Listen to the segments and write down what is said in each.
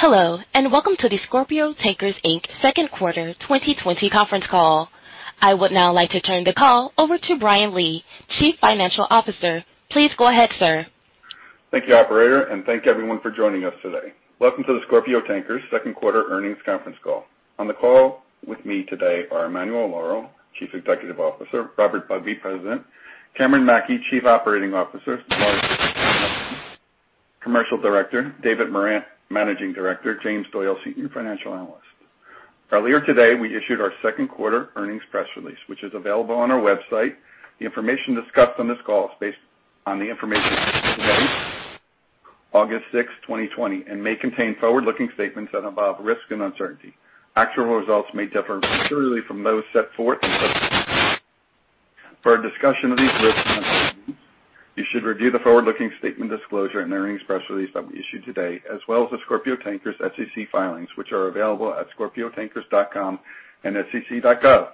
Hello, and welcome to the Scorpio Tankers Inc. Q2 2020 Conference Call. I would now like to turn the call over to Brian Lee, Chief Financial Officer. Please go ahead, sir. Thank you, Operator, and thank everyone for joining us today. Welcome to the Scorpio Tankers Q2 Earnings Conference Call. On the call with me today are Emanuele Lauro, Chief Executive Officer, Robert Bugbee, President, Cameron Mackey, Chief Operating Officer, Maurici Betriu, Commercial Director, David Morant, Managing Director, James Doyle, Senior Financial Analyst. Earlier today, we issued our Q2 earnings press release, which is available on our website. The information discussed on this call is based on the information from today, August 6, 2020, and may contain forward-looking statements that involve risk and uncertainty. Actual results may differ considerably from those set forth in the press release. For our discussion of these risks and uncertainties, you should review the forward-looking statement disclosure and earnings press release that we issued today, as well as the Scorpio Tankers SEC filings, which are available at scorpioshipmanagement.com and sec.gov.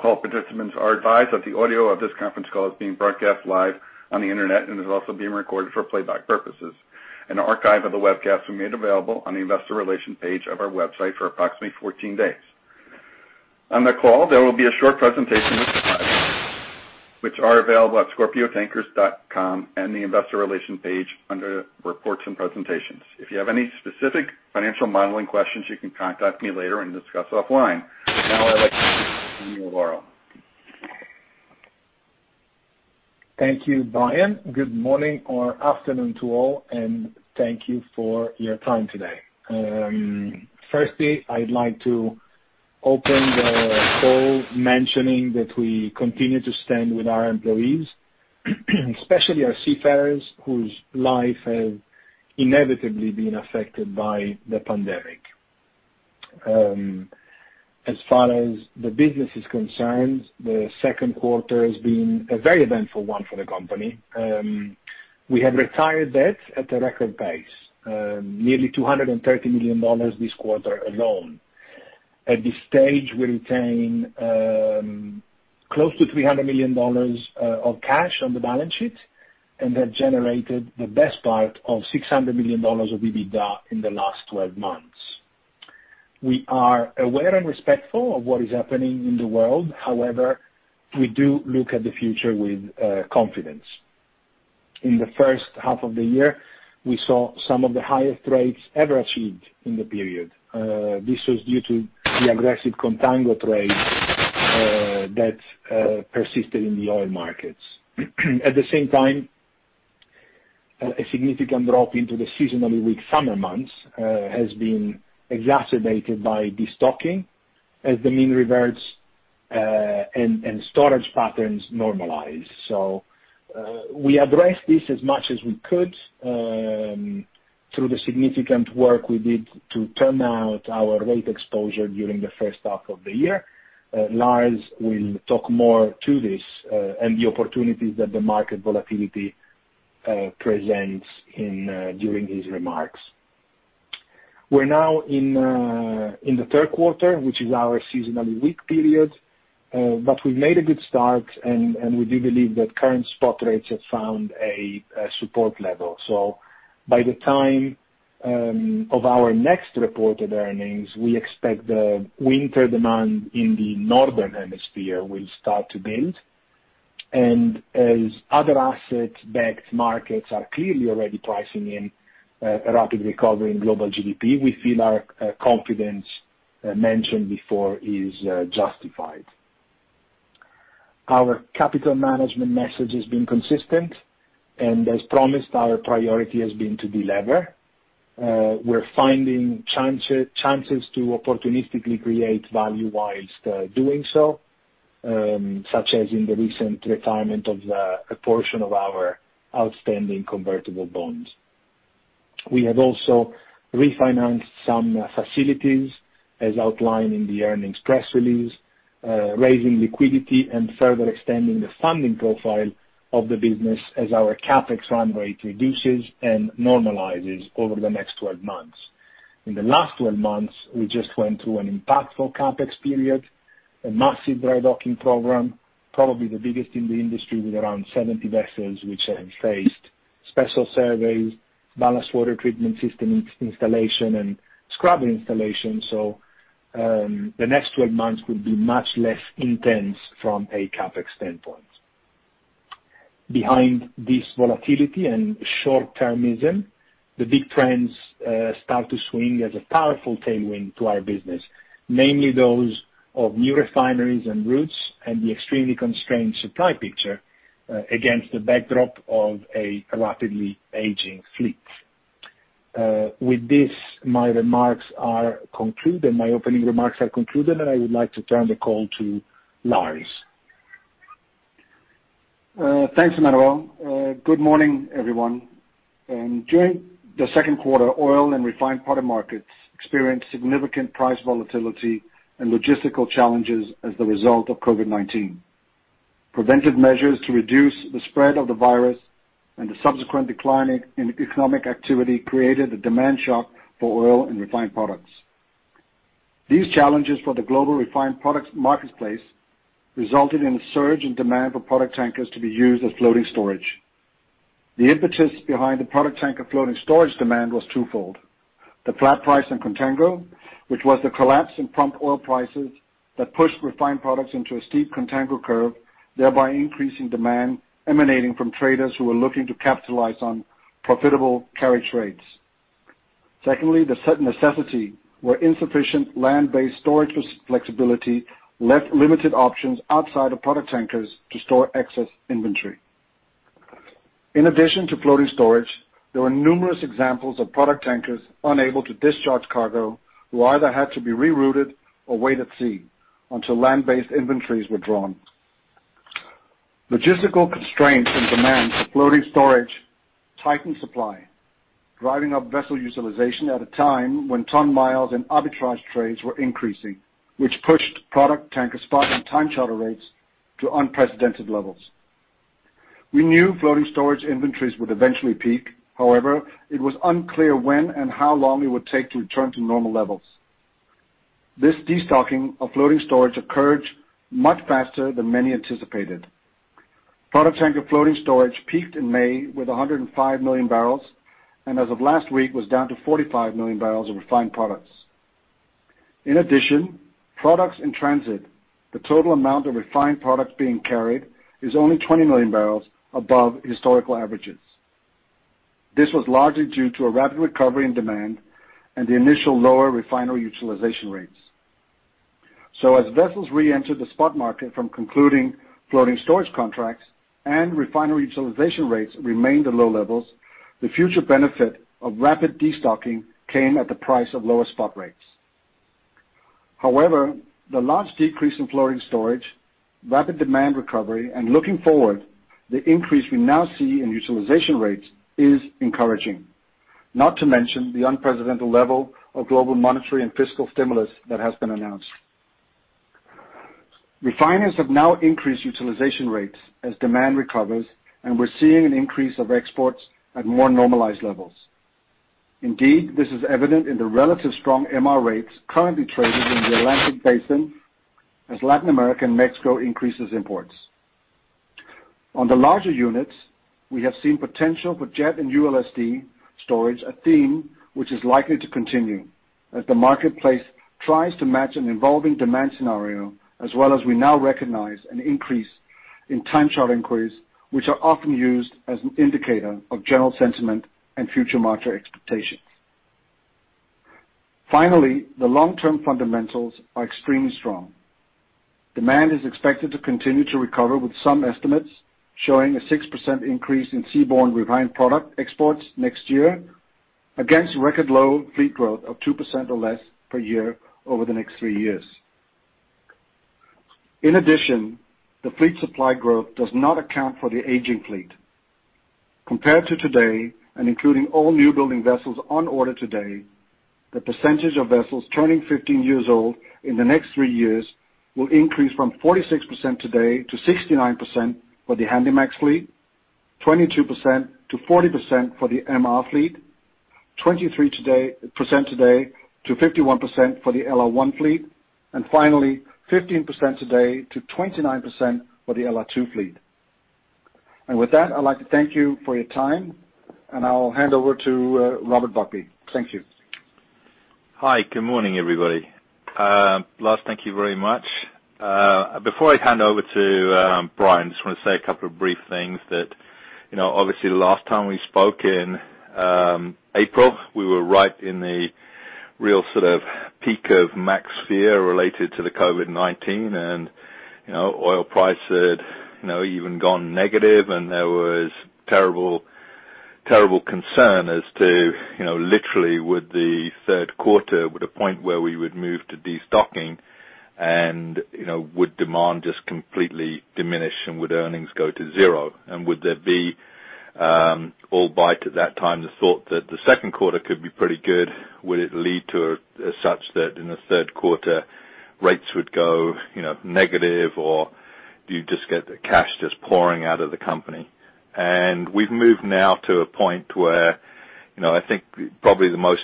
All participants are advised that the audio of this conference call is being broadcast live on the Internet and is also being recorded for playback purposes. An archive of the webcasts will be made available on the investor relations page of our website for approximately 14 days. On the call, there will be a short presentation with slides, which are available at ScorpioTankers.com and the investor relations page under reports and presentations. If you have any specific financial modeling questions, you can contact me later and discuss offline. For now, I'd like to thank Emanuele Lauro. Thank you, Brian. Good morning or afternoon to all, and thank you for your time today. Firstly, I'd like to open the call mentioning that we continue to stand with our employees, especially our seafarers, whose lives have inevitably been affected by the pandemic. As far as the business is concerned, the Q2 has been a very eventful one for the company. We have retired debt at a record pace, nearly $230 million this quarter alone. At this stage, we retain close to $300 million of cash on the balance sheet and have generated the best part of $600 million of EBITDA in the last 12 months. We are aware and respectful of what is happening in the world. However, we do look at the future with confidence. In the first half of the year, we saw some of the highest rates ever achieved in the period. This was due to the aggressive contango trade that persisted in the oil markets. At the same time, a significant drop into the seasonally weak summer months has been exacerbated by destocking as the mean reverts and storage patterns normalize. So we addressed this as much as we could through the significant work we did to turn out our rate exposure during the first half of the year. Lars will talk more to this and the opportunities that the market volatility presents during his remarks. We're now in the Q3, which is our seasonally weak period, but we've made a good start, and we do believe that current spot rates have found a support level. So by the time of our next reported earnings, we expect the winter demand in the northern hemisphere will start to build. And as other asset-backed markets are clearly already pricing in a rapid recovery in global GDP, we feel our confidence mentioned before is justified. Our capital management message has been consistent, and as promised, our priority has been to deliver. We're finding chances to opportunistically create value while doing so, such as in the recent retirement of a portion of our outstanding convertible bonds. We have also refinanced some facilities, as outlined in the earnings press release, raising liquidity and further extending the funding profile of the business as our CapEx run rate reduces and normalizes over the next 12 months. In the last 12 months, we just went through an impactful CapEx period, a massive dry docking program, probably the biggest in the industry, with around 70 vessels which have faced special surveys, ballast water treatment system installation, and scrubber installation. So the next 12 months will be much less intense from a CapEx standpoint. Behind this volatility and short-termism, the big trends start to swing as a powerful tailwind to our business, namely those of new refineries and routes and the extremely constrained supply picture against the backdrop of a rapidly aging fleet. With this, my remarks are concluded, and my opening remarks are concluded, and I would like to turn the call to Lars. Thanks, Emanuele. Good morning, everyone. During the Q2, oil and refined product markets experienced significant price volatility and logistical challenges as the result of COVID-19. Preventive measures to reduce the spread of the virus and the subsequent decline in economic activity created a demand shock for oil and refined products. These challenges for the global refined products marketplace resulted in a surge in demand for product tankers to be used as floating storage. The impetus behind the product tanker floating storage demand was twofold. The flat price on contango, which was the collapse in prompt oil prices, pushed refined products into a steep contango curve, thereby increasing demand emanating from traders who were looking to capitalize on profitable carriage rates. Secondly, the sudden necessity where insufficient land-based storage flexibility left limited options outside of product tankers to store excess inventory. In addition to floating storage, there were numerous examples of product tankers unable to discharge cargo who either had to be rerouted or waited at sea until land-based inventories were drawn. Logistical constraints and demands for floating storage tightened supply, driving up vessel utilization at a time when ton-miles and arbitrage trades were increasing, which pushed product tanker spot and time charter rates to unprecedented levels. We knew floating storage inventories would eventually peak. However, it was unclear when and how long it would take to return to normal levels. This destocking of floating storage occurred much faster than many anticipated. Product tanker floating storage peaked in May with 105 million barrels and, as of last week, was down to 45 million barrels of refined products. In addition, products in transit, the total amount of refined products being carried is only 20 million barrels above historical averages. This was largely due to a rapid recovery in demand and the initial lower refinery utilization rates. So, as vessels re-entered the spot market from concluding floating storage contracts and refinery utilization rates remained at low levels, the future benefit of rapid destocking came at the price of lower spot rates. However, the large decrease in floating storage, rapid demand recovery, and looking forward, the increase we now see in utilization rates is encouraging, not to mention the unprecedented level of global monetary and fiscal stimulus that has been announced. Refineries have now increased utilization rates as demand recovers, and we're seeing an increase of exports at more normalized levels. Indeed, this is evident in the relatively strong MR rates currently traded in the Atlantic Basin as Latin America and Mexico increase imports. On the larger units, we have seen potential for jet and ULSD storage, a theme which is likely to continue as the marketplace tries to match an evolving demand scenario, as well as we now recognize an increase in time charter inquiries, which are often used as an indicator of general sentiment and future market expectations. Finally, the long-term fundamentals are extremely strong. Demand is expected to continue to recover, with some estimates showing a 6% increase in seaborne refined product exports next year against record low fleet growth of 2% or less per year over the next three years. In addition, the fleet supply growth does not account for the aging fleet. Compared to today and including all newbuilding vessels on order today, the percentage of vessels turning 15 years old in the next three years will increase from 46% today to 69% for the Handymax fleet, 22% to 40% for the MR fleet, 23% today to 51% for the LR1 fleet, and finally, 15% today to 29% for the LR2 fleet. And with that, I'd like to thank you for your time, and I'll hand over to Robert Bugbee. Thank you. Hi, good morning, everybody. Lars, thank you very much. Before I hand over to Brian, I just want to say a couple of brief things. Obviously, the last time we spoke in April, we were right in the real sort of peak of market fear related to the COVID-19, and oil prices had even gone negative, and there was terrible concern as to literally would the Q3 be the point where we would move to destocking and would demand just completely diminish and would earnings go to zero? And would there be already by that time the thought that the Q2 could be pretty good? Would it lead to such that in the Q3 rates would go negative, or do you just get the cash just pouring out of the company? We've moved now to a point where I think probably the most,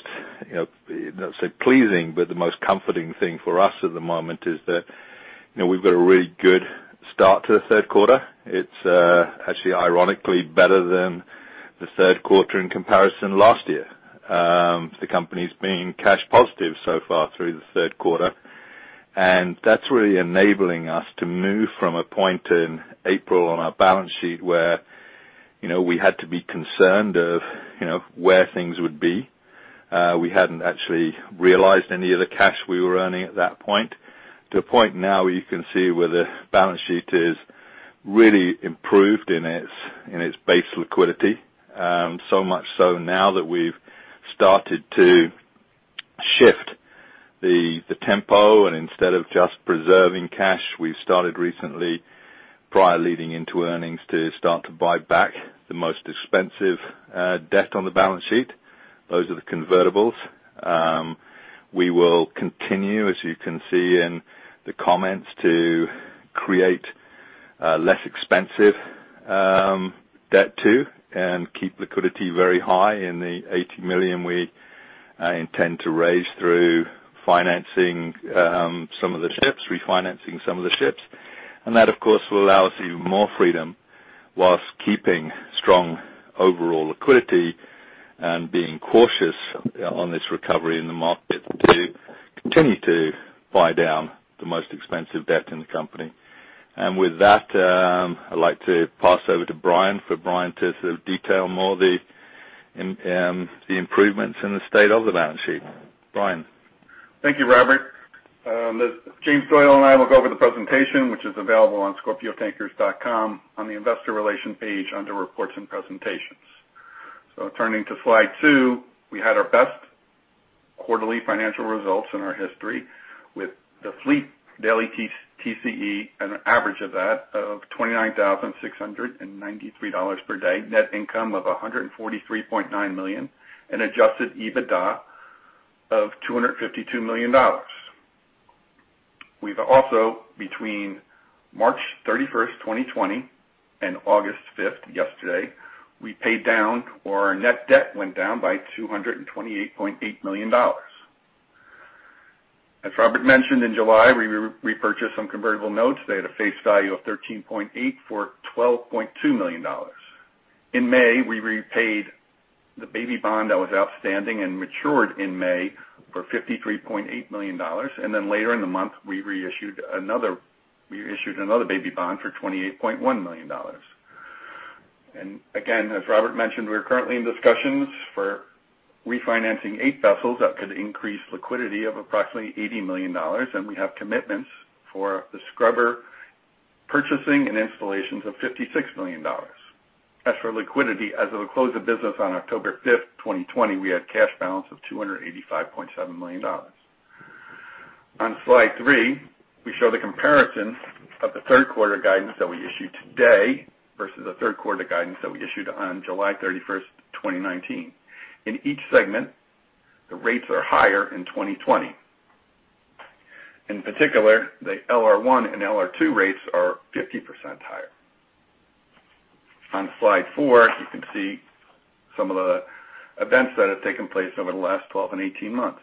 not to say pleasing, but the most comforting thing for us at the moment is that we've got a really good start to the Q3. It's actually ironically better than the Q3 in comparison last year. The company's been cash positive so far through the Q3, and that's really enabling us to move from a point in April on our balance sheet where we had to be concerned of where things would be. We hadn't actually realized any of the cash we were earning at that point to a point now where you can see where the balance sheet has really improved in its base liquidity, so much so now that we've started to shift the tempo. Instead of just preserving cash, we've started recently, prior leading into earnings, to start to buy back the most expensive debt on the balance sheet. Those are the convertibles. We will continue, as you can see in the comments, to create less expensive debt too and keep liquidity very high in the $80 million we intend to raise through financing some of the ships, refinancing some of the ships. That, of course, will allow us even more freedom while keeping strong overall liquidity and being cautious on this recovery in the market to continue to buy down the most expensive debt in the company. With that, I'd like to pass over to Brian for Brian to sort of detail more the improvements in the state of the balance sheet. Brian. Thank you, Robert. James Doyle and I will go over the presentation, which is available on ScorpioTankers.com on the investor relations page under reports and presentations. So turning to slide two, we had our best quarterly financial results in our history with the fleet daily TCE and an average of that of $29,693 per day, net income of $143.9 million, and Adjusted EBITDA of $252 million. We've also, between March 31st, 2020, and August 5th, yesterday, we paid down or our net debt went down by $228.8 million. As Robert mentioned, in July, we repurchased some convertible notes. They had a face value of $13.8 million for $12.2 million. In May, we repaid the Baby bond that was outstanding and matured in May for $53.8 million. And then later in the month, we reissued another Baby bond for $28.1 million. Again, as Robert mentioned, we're currently in discussions for refinancing eight vessels that could increase liquidity of approximately $80 million. And we have commitments for the scrubber purchasing and installations of $56 million. As for liquidity, as of the close of business on October 5th, 2020, we had a cash balance of $285.7 million. On slide three, we show the comparison of the Q3 guidance that we issued today versus the Q3 guidance that we issued on July 31st, 2019. In each segment, the rates are higher in 2020. In particular, the LR1 and LR2 rates are 50% higher. On slide four, you can see some of the events that have taken place over the last 12 and 18 months.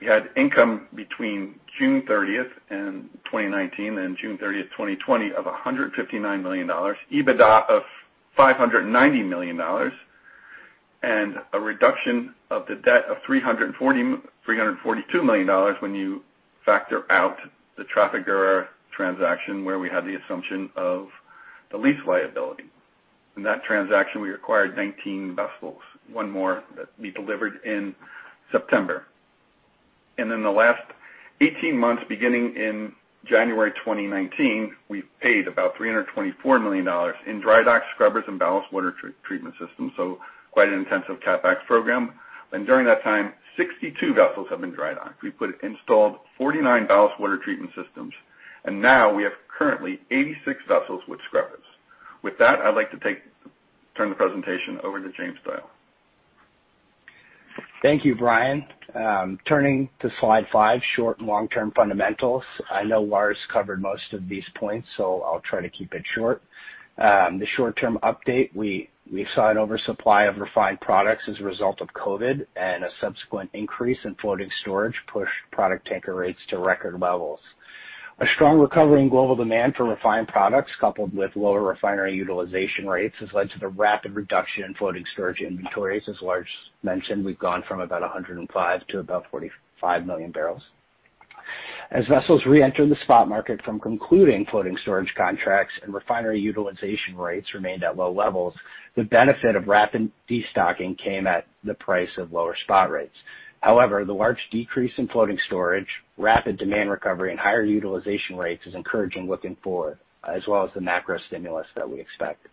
We had income between June 30th, 2019, and June 30th, 2020, of $159 million, EBITDA of $590 million, and a reduction of the debt of $342 million when you factor out the Trafigura transaction where we had the assumption of the lease liability. In that transaction, we acquired 19 vessels, one more that we delivered in September. And in the last 18 months, beginning in January 2019, we've paid about $324 million in drydocked scrubbers and ballast water treatment systems, so quite an intensive CapEx program. And during that time, 62 vessels have been drydocked. We've installed 49 ballast water treatment systems, and now we have currently 86 vessels with scrubbers. With that, I'd like to turn the presentation over to James Doyle. Thank you, Brian. Turning to slide five, short- and long-term fundamentals. I know Lars covered most of these points, so I'll try to keep it short. The short-term update: we saw an oversupply of refined products as a result of COVID, and a subsequent increase in floating storage pushed product tanker rates to record levels. A strong recovery in global demand for refined products, coupled with lower refinery utilization rates, has led to the rapid reduction in floating storage inventories. As Lars mentioned, we've gone from about 105 to about 45 million barrels. As vessels re-entered the spot market from concluding floating storage contracts and refinery utilization rates remained at low levels, the benefit of rapid destocking came at the price of lower spot rates. However, the large decrease in floating storage, rapid demand recovery, and higher utilization rates is encouraging looking forward, as well as the macro stimulus that we expect.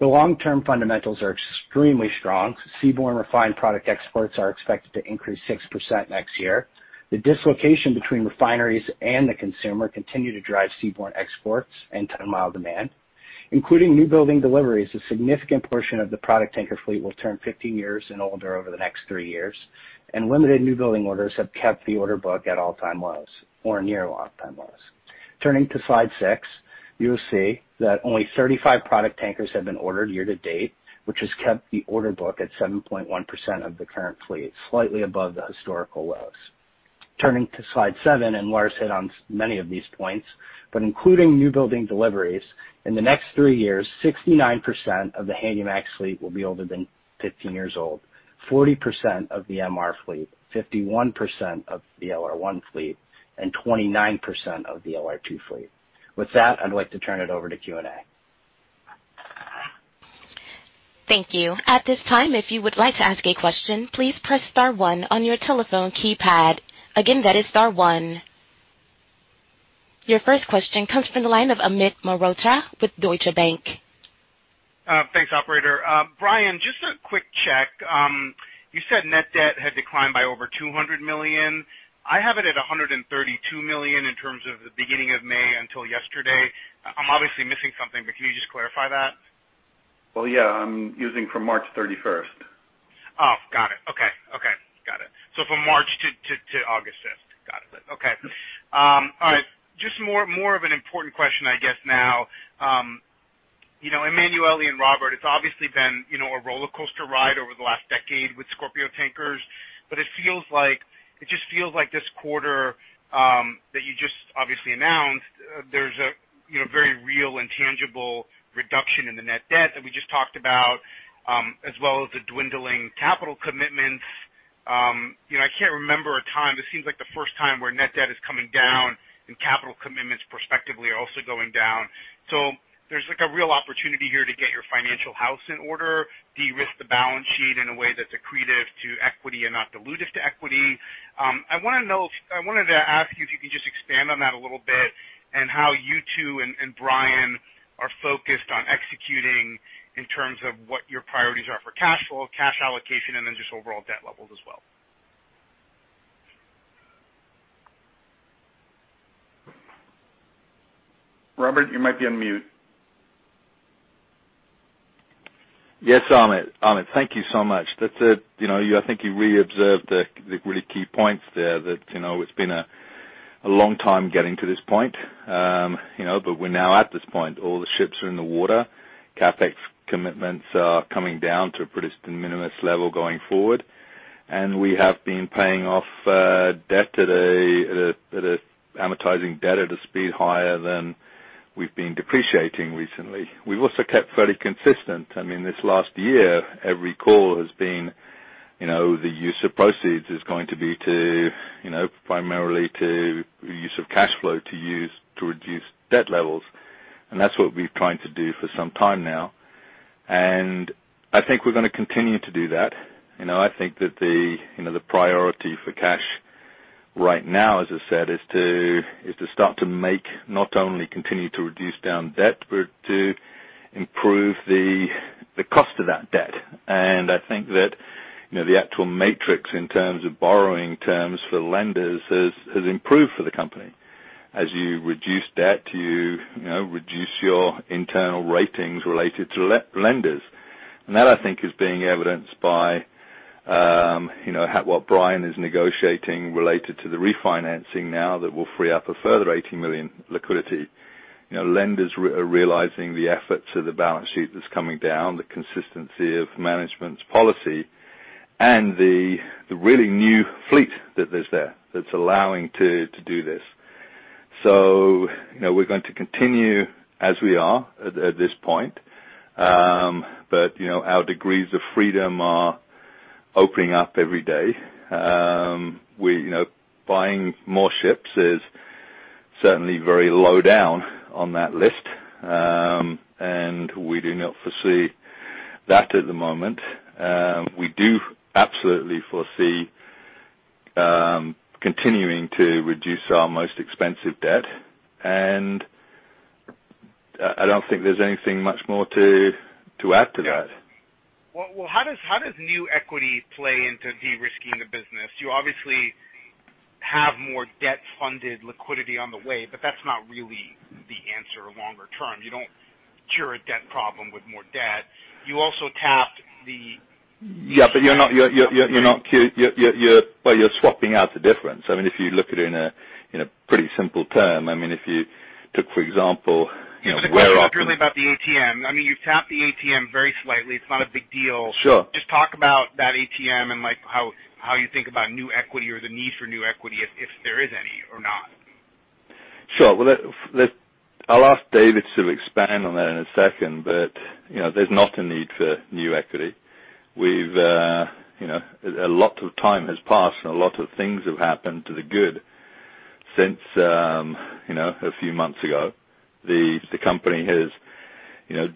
The long-term fundamentals are extremely strong. Seaborne refined product exports are expected to increase 6% next year. The dislocation between refineries and the consumer continues to drive seaborne exports and ton-mile demand. Including newbuilding deliveries, a significant portion of the product tanker fleet will turn 15 years and older over the next three years, and limited newbuilding orders have kept the order book at all-time lows or near all-time lows. Turning to slide six, you'll see that only 35 product tankers have been ordered year to date, which has kept the order book at 7.1% of the current fleet, slightly above the historical lows. Turning to slide seven, and Lars hit on many of these points, but including newbuilding deliveries, in the next three years, 69% of the Handymax fleet will be older than 15 years old, 40% of the MR fleet, 51% of the LR1 fleet, and 29% of the LR2 fleet. With that, I'd like to turn it over to Q&A. Thank you. At this time, if you would like to ask a question, please press star one on your telephone keypad. Again, that is star one. Your first question comes from the line of Amit Mehrotra with Deutsche Bank. Thanks, operator. Brian, just a quick check. You said net debt had declined by over $200 million. I have it at $132 million in terms of the beginning of May until yesterday. I'm obviously missing something, but can you just clarify that? Yeah. I'm using from March 31st. Oh, got it. Okay. Got it. So from March - August 5th. All right. Just more of an important question, I guess, now. Emanuele and Robert, it's obviously been a roller coaster ride over the last decade with Scorpio Tankers, but it just feels like this quarter that you just obviously announced, there's a very real and tangible reduction in the net debt that we just talked about, as well as the dwindling capital commitments. I can't remember a time. It seems like the first time where net debt is coming down and capital commitments prospectively are also going down. So there's a real opportunity here to get your financial house in order, de-risk the balance sheet in a way that's accretive to equity and not dilutive to equity. I wanted to ask you if you could just expand on that a little bit and how you two and Brian are focused on executing in terms of what your priorities are for cash flow, cash allocation, and then just overall debt levels as well? Robert, you might be on mute. Yes, Amit. Amit, thank you so much. I think you really observed the really key points there. It's been a long time getting to this point, but we're now at this point. All the ships are in the water. CapEx commitments are coming down to a pretty minimalist level going forward, and we have been paying off debt today at an amortizing debt at a speed higher than we've been depreciating recently. We've also kept fairly consistent. I mean, this last year, every call has been the use of proceeds is going to be primarily to use of cash flow to reduce debt levels, and that's what we've tried to do for some time now, and I think we're going to continue to do that. I think that the priority for cash right now, as I said, is to start to make not only continue to reduce down debt, but to improve the cost of that debt. I think that the actual metrics in terms of borrowing terms for lenders has improved for the company. As you reduce debt, you reduce your internal ratings related to lenders. And that, I think, is being evidenced by what Brian is negotiating related to the refinancing now that will free up a further $18 million liquidity. Lenders are realizing the efforts of the balance sheet that's coming down, the consistency of management's policy, and the really new fleet that is there that's allowing to do this. We're going to continue as we are at this point, but our degrees of freedom are opening up every day. Buying more ships is certainly very low down on that list, and we do not foresee that at the moment. We do absolutely foresee continuing to reduce our most expensive debt, and I don't think there's anything much more to add to that. Yeah. Well, how does new equity play into de-risking the business? You obviously have more debt-funded liquidity on the way, but that's not really the answer longer term. You don't cure a debt problem with more debt. You also tapped the. Yeah, but you're not. Well, you're swapping out the difference. I mean, if you look at it in a pretty simple terms, I mean, if you took, for example, where off. This is particularly about the ATM. I mean, you've tapped the ATM very slightly. It's not a big deal. Just talk about that ATM and how you think about new equity or the need for new equity, if there is any or not. Sure. Well, I'll ask David to expand on that in a second, but there's not a need for new equity. A lot of time has passed and a lot of things have happened for the good since a few months ago. The company has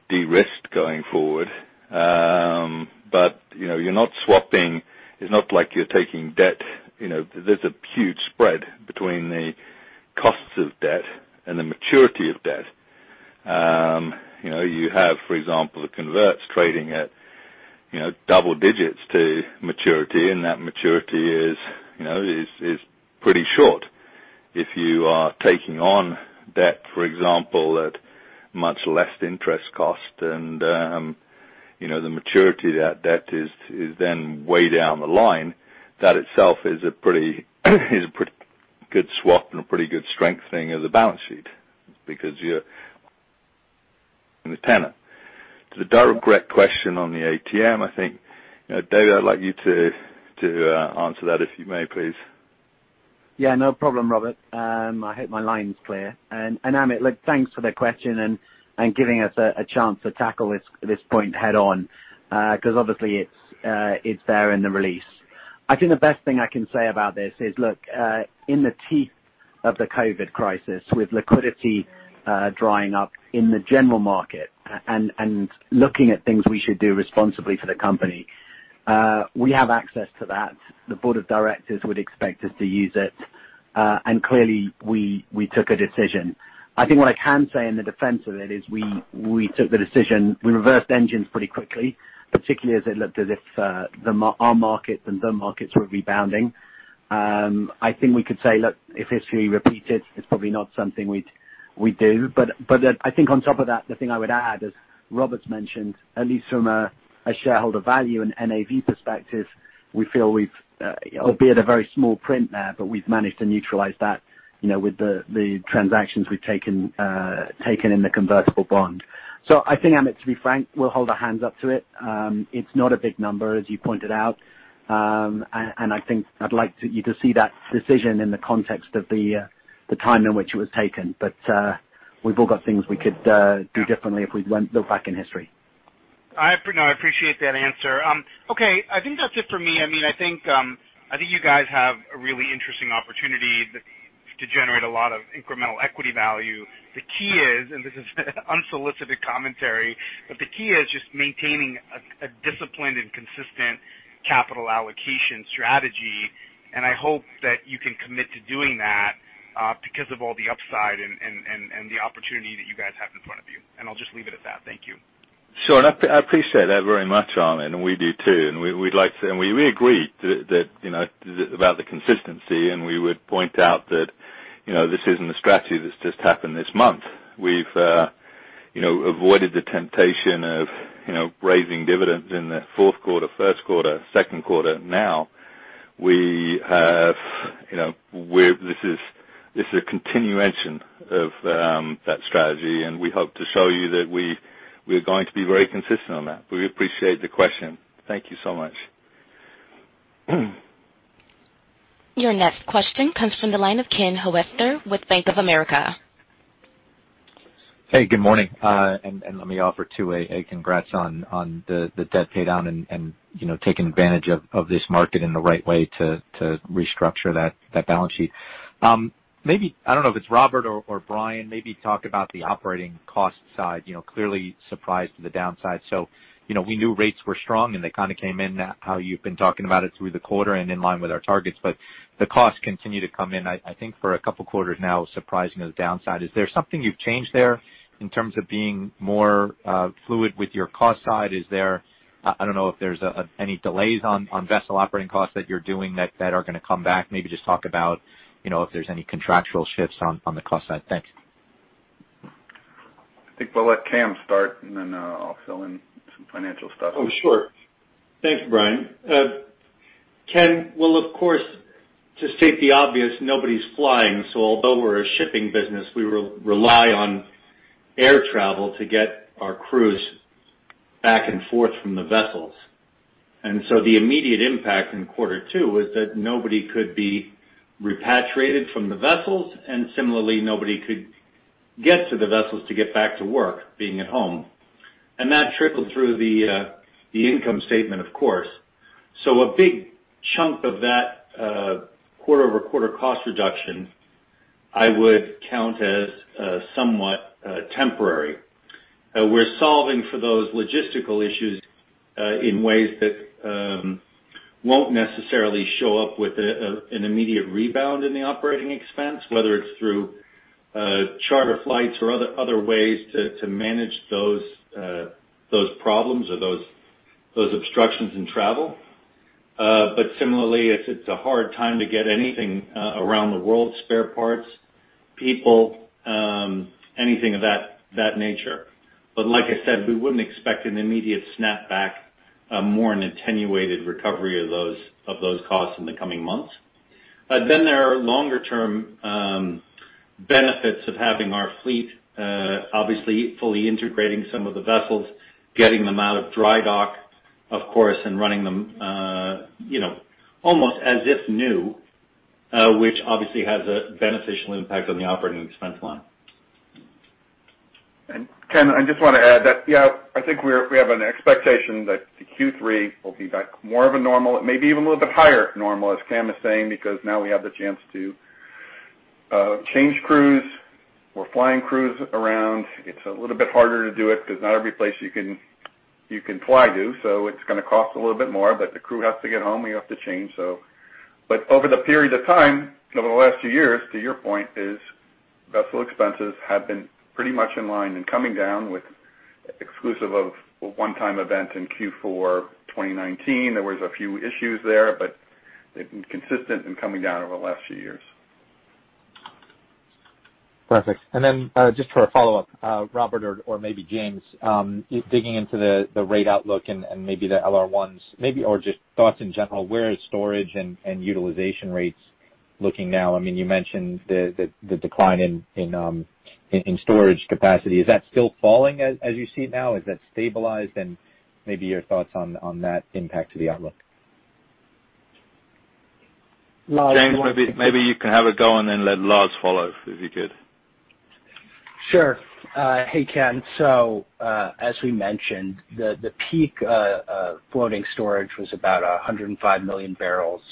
de-risked going forward, but you're not swapping. It's not like you're taking debt. There's a huge spread between the costs of debt and the maturity of debt. You have, for example, the converts trading at double digits to maturity, and that maturity is pretty short. If you are taking on debt, for example, at much less interest cost and the maturity of that debt is then way down the line, that itself is a pretty good swap and a pretty good strengthening of the balance sheet because you're in the tenor. To the direct question on the ATM, I think, David, I'd like you to answer that if you may, please. Yeah, no problem, Robert. I hope my line's clear. And Amit, look, thanks for the question and giving us a chance to tackle this point head-on because obviously, it's there in the release. I think the best thing I can say about this is, look, in the teeth of the COVID crisis, with liquidity drying up in the general market and looking at things we should do responsibly for the company, we have access to that. The board of directors would expect us to use it, and clearly, we took a decision. I think what I can say in the defense of it is we took the decision. We reversed engines pretty quickly, particularly as it looked as if our markets and the markets were rebounding. I think we could say, "Look, if history repeated, it's probably not something we do." But I think on top of that, the thing I would add is Robert's mentioned, at least from a shareholder value and NAV perspective, we feel we've, albeit a very small print there, but we've managed to neutralize that with the transactions we've taken in the convertible bond. So I think, Amit, to be frank, we'll hold our hands up to it. It's not a big number, as you pointed out, and I think I'd like you to see that decision in the context of the time in which it was taken, but we've all got things we could do differently if we look back in history. I appreciate that answer. Okay. I think that's it for me. I mean, I think you guys have a really interesting opportunity to generate a lot of incremental equity value. The key is, and this is unsolicited commentary, but the key is just maintaining a disciplined and consistent capital allocation strategy, and I hope that you can commit to doing that because of all the upside and the opportunity that you guys have in front of you, and I'll just leave it at that. Thank you. Sure. I appreciate that very much, Amit, and we do too. And we agreed about the consistency, and we would point out that this isn't a strategy that's just happened this month. We've avoided the temptation of raising dividends in the Q4, Q1, Q2. Now, this is a continuation of that strategy, and we hope to show you that we are going to be very consistent on that. We appreciate the question. Thank you so much. Your next question comes from the line of Ken Hoexter with Bank of America. Hey, good morning, and let me offer too a congrats on the debt paydown and taking advantage of this market in the right way to restructure that balance sheet. I don't know if it's Robert or Brian. Maybe talk about the operating cost side. Clearly surprised to the downside, so we knew rates were strong, and they kind of came in how you've been talking about it through the quarter and in line with our targets, but the costs continue to come in, I think, for a couple of quarters now, surprising to the downside. Is there something you've changed there in terms of being more fluid with your cost side? I don't know if there's any delays on vessel operating costs that you're doing that are going to come back. Maybe just talk about if there's any contractual shifts on the cost side. Thanks. I think we'll let Cam start, and then I'll fill in some financial stuff. Oh, sure. Thanks, Brian. Ken, well, of course, to state the obvious, nobody's flying. So although we're a shipping business, we rely on air travel to get our crews back and forth from the vessels. And so the immediate impact in quarter two was that nobody could be repatriated from the vessels, and similarly, nobody could get to the vessels to get back to work, being at home. And that trickled through the income statement, of course. So a big chunk of that quarter-over-quarter cost reduction I would count as somewhat temporary. We're solving for those logistical issues in ways that won't necessarily show up with an immediate rebound in the operating expense, whether it's through charter flights or other ways to manage those problems or those obstructions in travel. But similarly, it's a hard time to get anything around the world: spare parts, people, anything of that nature. But like I said, we wouldn't expect an immediate snapback, a more attenuated recovery of those costs in the coming months. Then there are longer-term benefits of having our fleet, obviously, fully integrating some of the vessels, getting them out of dry dock, of course, and running them almost as if new, which obviously has a beneficial impact on the operating expense line. And, Ken, I just want to add that, yeah, I think we have an expectation that the Q3 will be back to more of a normal. It may be even a little bit higher normal, as Cam is saying, because now we have the chance to change crews. We're flying crews around. It's a little bit harder to do it because not every place you can fly to, so it's going to cost a little bit more, but the crew has to get home. We have to change. But over the period of time, over the last few years, to your point, vessel expenses have been pretty much in line and coming down, excluding one-time event in Q4 2019. There were a few issues there, but they've been consistent and coming down over the last few years. Perfect. And then just for a follow-up, Robert or maybe James, digging into the rate outlook and maybe the LR1s, or just thoughts in general, where is storage and utilization rates looking now? I mean, you mentioned the decline in storage capacity. Is that still falling as you see it now? Is that stabilized? And maybe your thoughts on that impact to the outlook. James, maybe you can have a go and then let Lars follow if you could. Sure. Hey, Ken. So as we mentioned, the peak floating storage was about 105 million barrels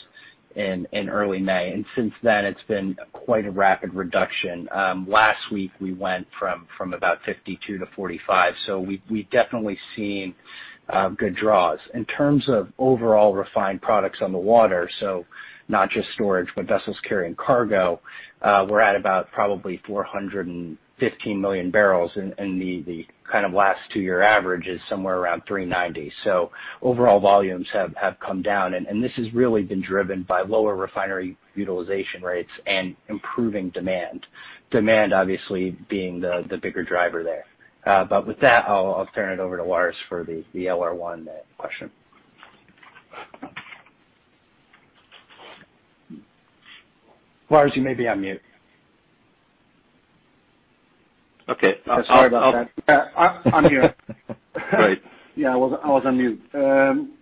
in early May, and since then, it's been quite a rapid reduction. Last week, we went from about 52-45, so we've definitely seen good draws. In terms of overall refined products on the water, so not just storage, but vessels carrying cargo, we're at about probably 415 million barrels, and the kind of last two-year average is somewhere around 390. So overall volumes have come down, and this has really been driven by lower refinery utilization rates and improving demand, demand obviously being the bigger driver there. But with that, I'll turn it over to Lars for the LR1 question. Lars, you may be on mute. Sorry about that. I'm here. Great. Yeah, I was on mute.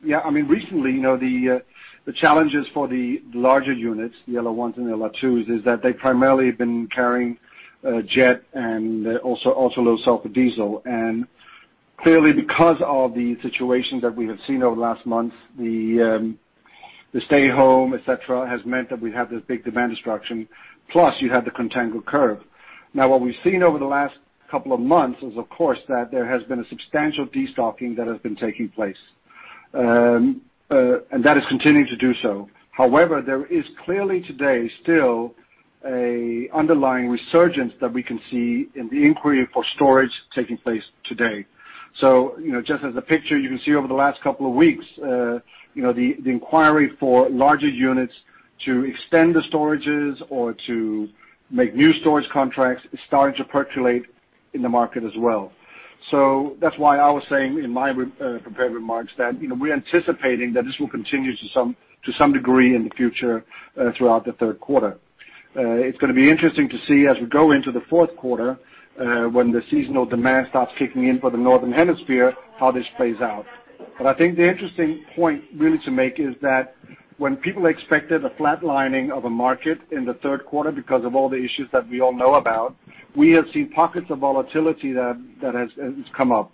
Yeah, I mean, recently, the challenges for the larger units, the LR1s and LR2s, is that they primarily have been carrying jet and also low sulfur diesel. And clearly, because of the situation that we have seen over the last months, the stay home, etc., has meant that we've had this big demand destruction, plus you had the contango curve. Now, what we've seen over the last couple of months is, of course, that there has been a substantial destocking that has been taking place, and that is continuing to do so. However, there is clearly today still an underlying resurgence that we can see in the inquiry for storage taking place today. So just as a picture, you can see over the last couple of weeks, the inquiry for larger units to extend the storages or to make new storage contracts is starting to percolate in the market as well. So that's why I was saying in my prepared remarks that we're anticipating that this will continue to some degree in the future throughout the Q3. It's going to be interesting to see as we go into the Q4 when the seasonal demand starts kicking in for the northern hemisphere, how this plays out. But I think the interesting point really to make is that when people expected a flatlining of a market in the Q3 because of all the issues that we all know about, we have seen pockets of volatility that has come up.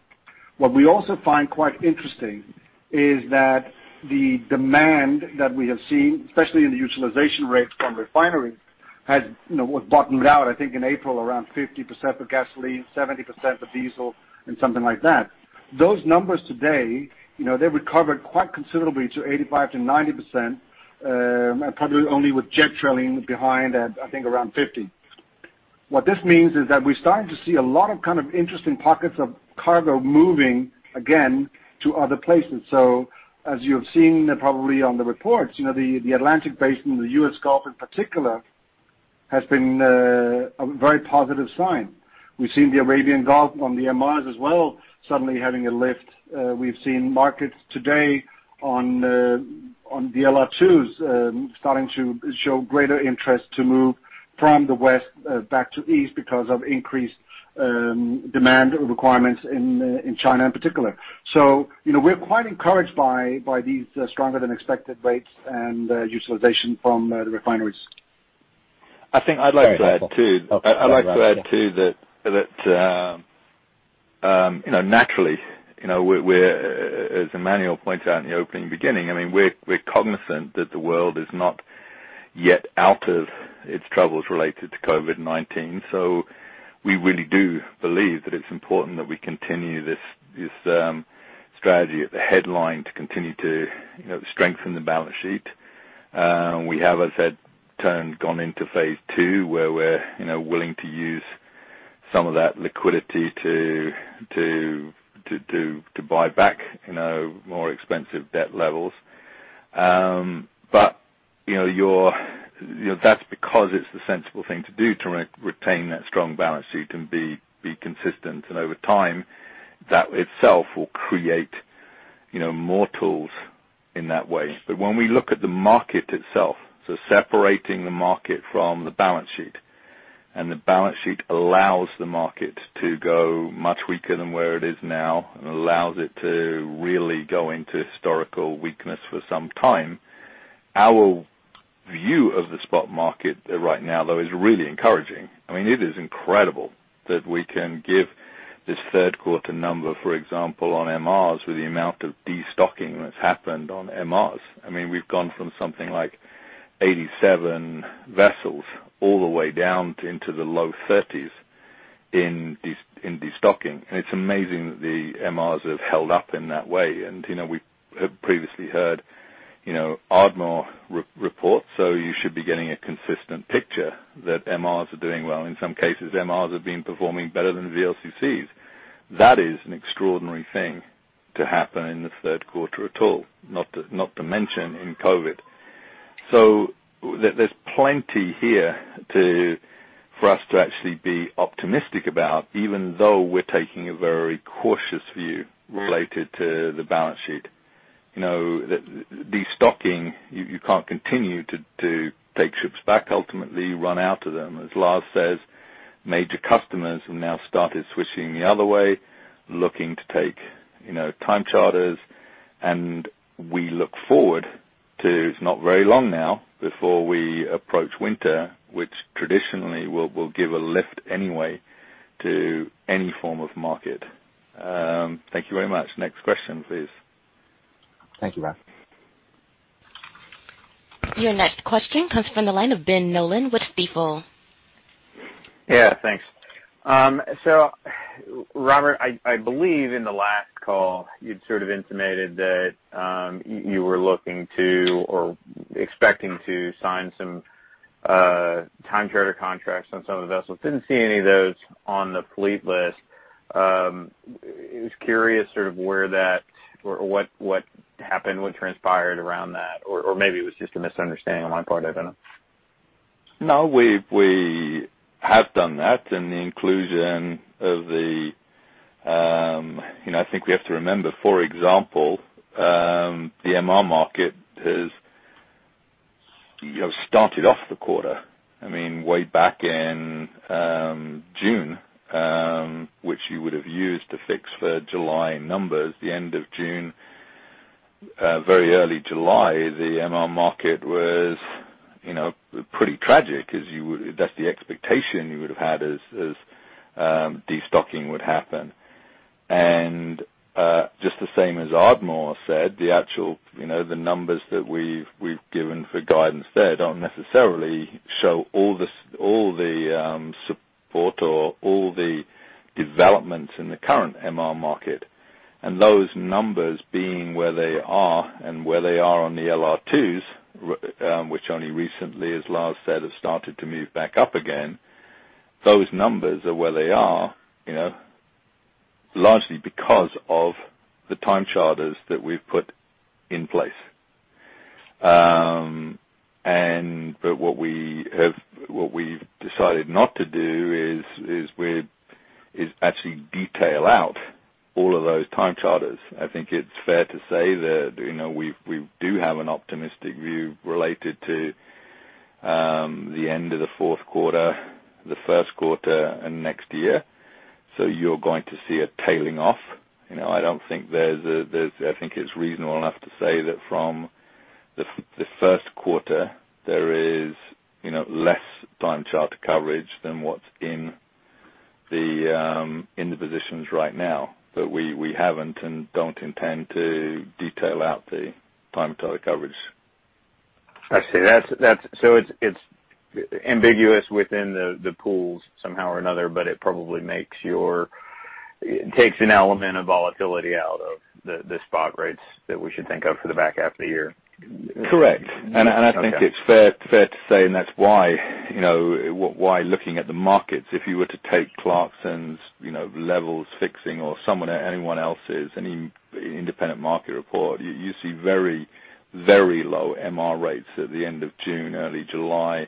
What we also find quite interesting is that the demand that we have seen, especially in the utilization rate from refineries, was bottomed out, I think, in April around 50% for gasoline, 70% for diesel, and something like that. Those numbers today, they recovered quite considerably to 85%-90%, and probably only with jet trailing behind at, I think, around 50%. What this means is that we're starting to see a lot of kind of interesting pockets of cargo moving again to other places. So as you have seen probably on the reports, the Atlantic Basin, the U.S. Gulf in particular, has been a very positive sign. We've seen the Arabian Gulf on the MRs as well suddenly having a lift. We've seen markets today on the LR2s starting to show greater interest to move from the west back to east because of increased demand requirements in China in particular. So we're quite encouraged by these stronger-than-expected rates and utilization from the refineries. I think I'd like to add too. I'd like to add too that naturally, as Emanuele pointed out in the opening beginning, I mean, we're cognizant that the world is not yet out of its troubles related to COVID-19. So we really do believe that it's important that we continue this strategy at the headline to continue to strengthen the balance sheet. We have, as I said, gone into phase two where we're willing to use some of that liquidity to buy back more expensive debt levels. But that's because it's the sensible thing to do to retain that strong balance sheet and be consistent. And over time, that itself will create more tools in that way. But when we look at the market itself, so separating the market from the balance sheet, and the balance sheet allows the market to go much weaker than where it is now and allows it to really go into historical weakness for some time, our view of the spot market right now, though, is really encouraging. I mean, it is incredible that we can give this Q3 number, for example, on MRs with the amount of destocking that's happened on MRs. I mean, we've gone from something like 87 vessels all the way down into the low 30s in destocking. And it's amazing that the MRs have held up in that way. And we've previously heard Ardmore reports, so you should be getting a consistent picture that MRs are doing well. In some cases, MRs have been performing better than VLCCs. That is an extraordinary thing to happen in the Q3 at all, not to mention in COVID. So there's plenty here for us to actually be optimistic about, even though we're taking a very cautious view related to the balance sheet. Destocking, you can't continue to take ships back. Ultimately, you run out of them. As Lars says, major customers have now started switching the other way, looking to take time charters. And we look forward to, it's not very long now, before we approach winter, which traditionally will give a lift anyway to any form of market. Thank you very much. Next question, please. Thank you, Rob. Your next question comes from the line of Ben Nolan with Stifel. Yeah, thanks. So Robert, I believe in the last call, you'd sort of intimated that you were looking to or expecting to sign some time charter contracts on some of the vessels. Didn't see any of those on the fleet list. I was curious sort of where that or what happened, what transpired around that, or maybe it was just a misunderstanding on my part. I don't know. No, we have done that in the inclusion of the. I think we have to remember, for example, the MR market has started off the quarter. I mean, way back in June, which you would have used to fix for July numbers, the end of June, very early July, the MR market was pretty tragic as you would. That's the expectation you would have had as destocking would happen. And just the same as Ardmore said, the actual numbers that we've given for guidance there don't necessarily show all the support or all the developments in the current MR market. And those numbers being where they are and where they are on the LR2s, which only recently, as Lars said, have started to move back up again, those numbers are where they are largely because of the time charters that we've put in place. But what we've decided not to do is actually detail out all of those time charters. I think it's fair to say that we do have an optimistic view related to the end of the Q4, the Q1, and next year. So you're going to see a tailing off. I think it's reasonable enough to say that from the Q1, there is less time charter coverage than what's in the positions right now. But we haven't and don't intend to detail out the time charter coverage. I see. So it's ambiguous within the pools somehow or another, but it probably makes or it takes an element of volatility out of the spot rates that we should think of for the back half of the year. Correct. And I think it's fair to say, and that's why looking at the markets, if you were to take Clarksons levels fixing or someone or anyone else's independent market report, you see very, very low MR rates at the end of June, early July.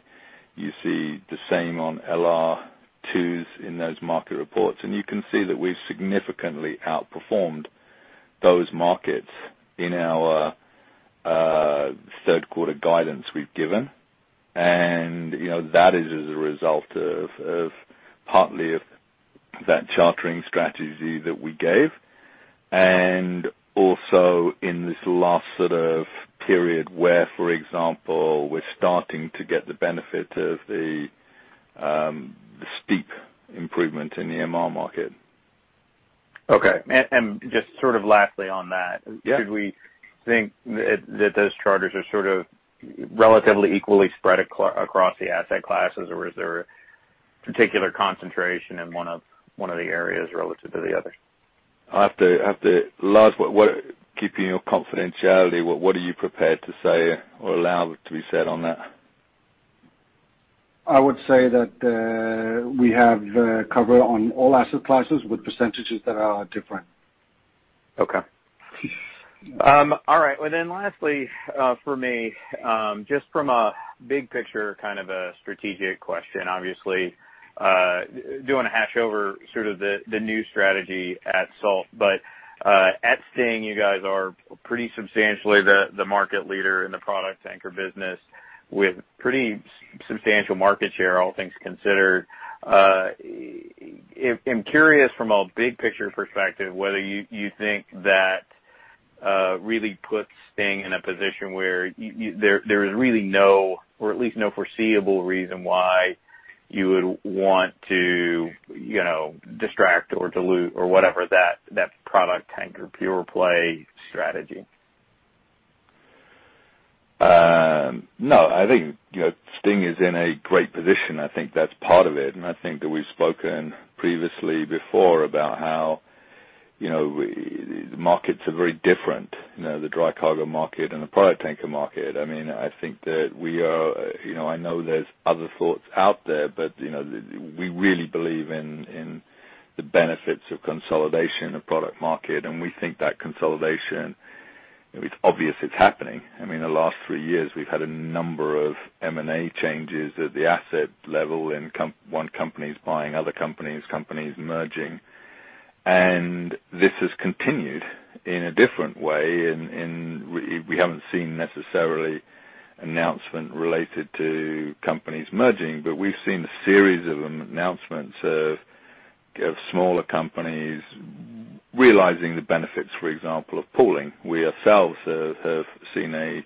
You see the same on LR2s in those market reports. And you can see that we've significantly outperformed those markets in our Q3 guidance we've given. And that is as a result of partly of that chartering strategy that we gave. And also in this last sort of period where, for example, we're starting to get the benefit of the steep improvement in the MR market. Okay. And just sort of lastly on that, should we think that those charters are sort of relatively equally spread across the asset classes, or is there a particular concentration in one of the areas relative to the other? I have to keep your confidentiality. What are you prepared to say or allow to be said on that? I would say that we have coverage on all asset classes with percentages that are different. Okay. All right. Well, then lastly for me, just from a big picture kind of a strategic question, obviously hashing over sort of the new strategy at Stolt. But STNG, you guys are pretty substantially the market leader in the product tanker business with pretty substantial market share all things considered. I'm curious from a big picture perspective whether you think that really STNG in a position where there is really no, or at least no foreseeable reason why you would want to distract or dilute or whatever that product tanker pure play strategy. No, I STNG is in a great position. I think that's part of it. I think that we've spoken previously about how the markets are very different, the dry cargo market and the product tanker market. I mean, I think that we are, I know there's other thoughts out there, but we really believe in the benefits of consolidation of product market. And we think that consolidation, it's obvious it's happening. I mean, the last three years, we've had a number of M&A changes at the asset level in one company's buying other companies, companies merging. And this has continued in a different way. And we haven't seen necessarily announcement related to companies merging, but we've seen a series of announcements of smaller companies realizing the benefits, for example, of pooling. We ourselves have seen a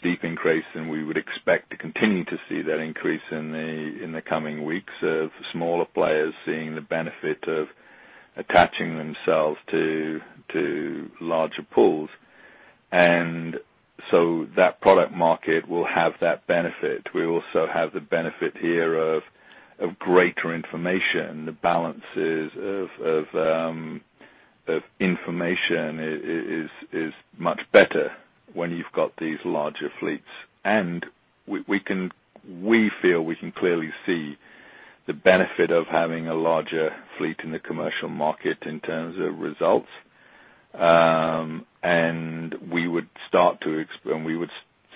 steep increase, and we would expect to continue to see that increase in the coming weeks of smaller players seeing the benefit of attaching themselves to larger pools, and so that product market will have that benefit. We also have the benefit here of greater information. The balance of information is much better when you've got these larger fleets, and we feel we can clearly see the benefit of having a larger fleet in the commercial market in terms of results, and we would start to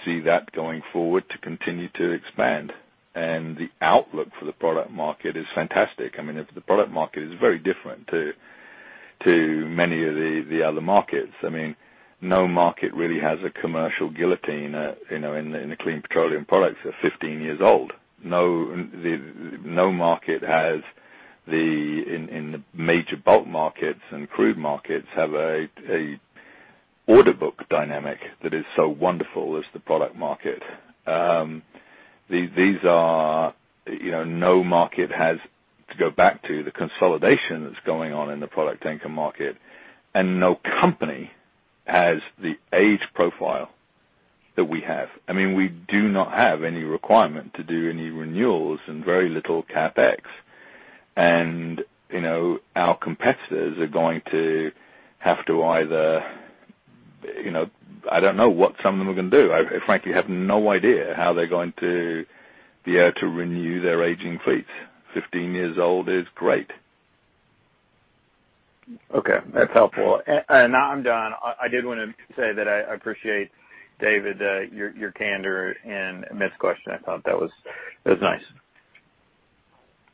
see that going forward to continue to expand, and the outlook for the product market is fantastic. I mean, the product market is very different to many of the other markets. I mean, no market really has a commercial guillotine in the clean petroleum products that are 15 years old. No market has the order book dynamic in the major bulk markets and crude markets have an order book dynamic that is so wonderful as the product market. There's no market that has to go back to the consolidation that's going on in the product tanker market. No company has the age profile that we have. I mean, we do not have any requirement to do any renewals and very little CapEx. Our competitors are going to have to either. I don't know what some of them are going to do. Frankly, I have no idea how they're going to be able to renew their aging fleets. 15 years old is great. Okay. That's helpful. And now I'm done. I did want to say that I appreciate, David, your candor in Amit's question. I thought that was nice.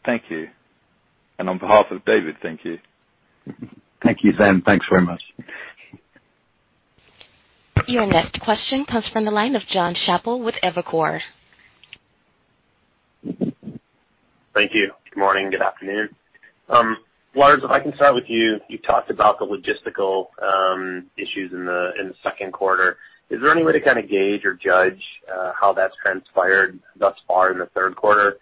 Thank you, and on behalf of David, thank you. Thank you, [Unknown Speaker]. Thanks very much. Your next question comes from the line of Jon Chappell with Evercore. Thank you. Good morning. Good afternoon. Lars, if I can start with you, you talked about the logistical issues in the Q2. Is there any way to kind of gauge or judge how that's transpired thus far in the Q3?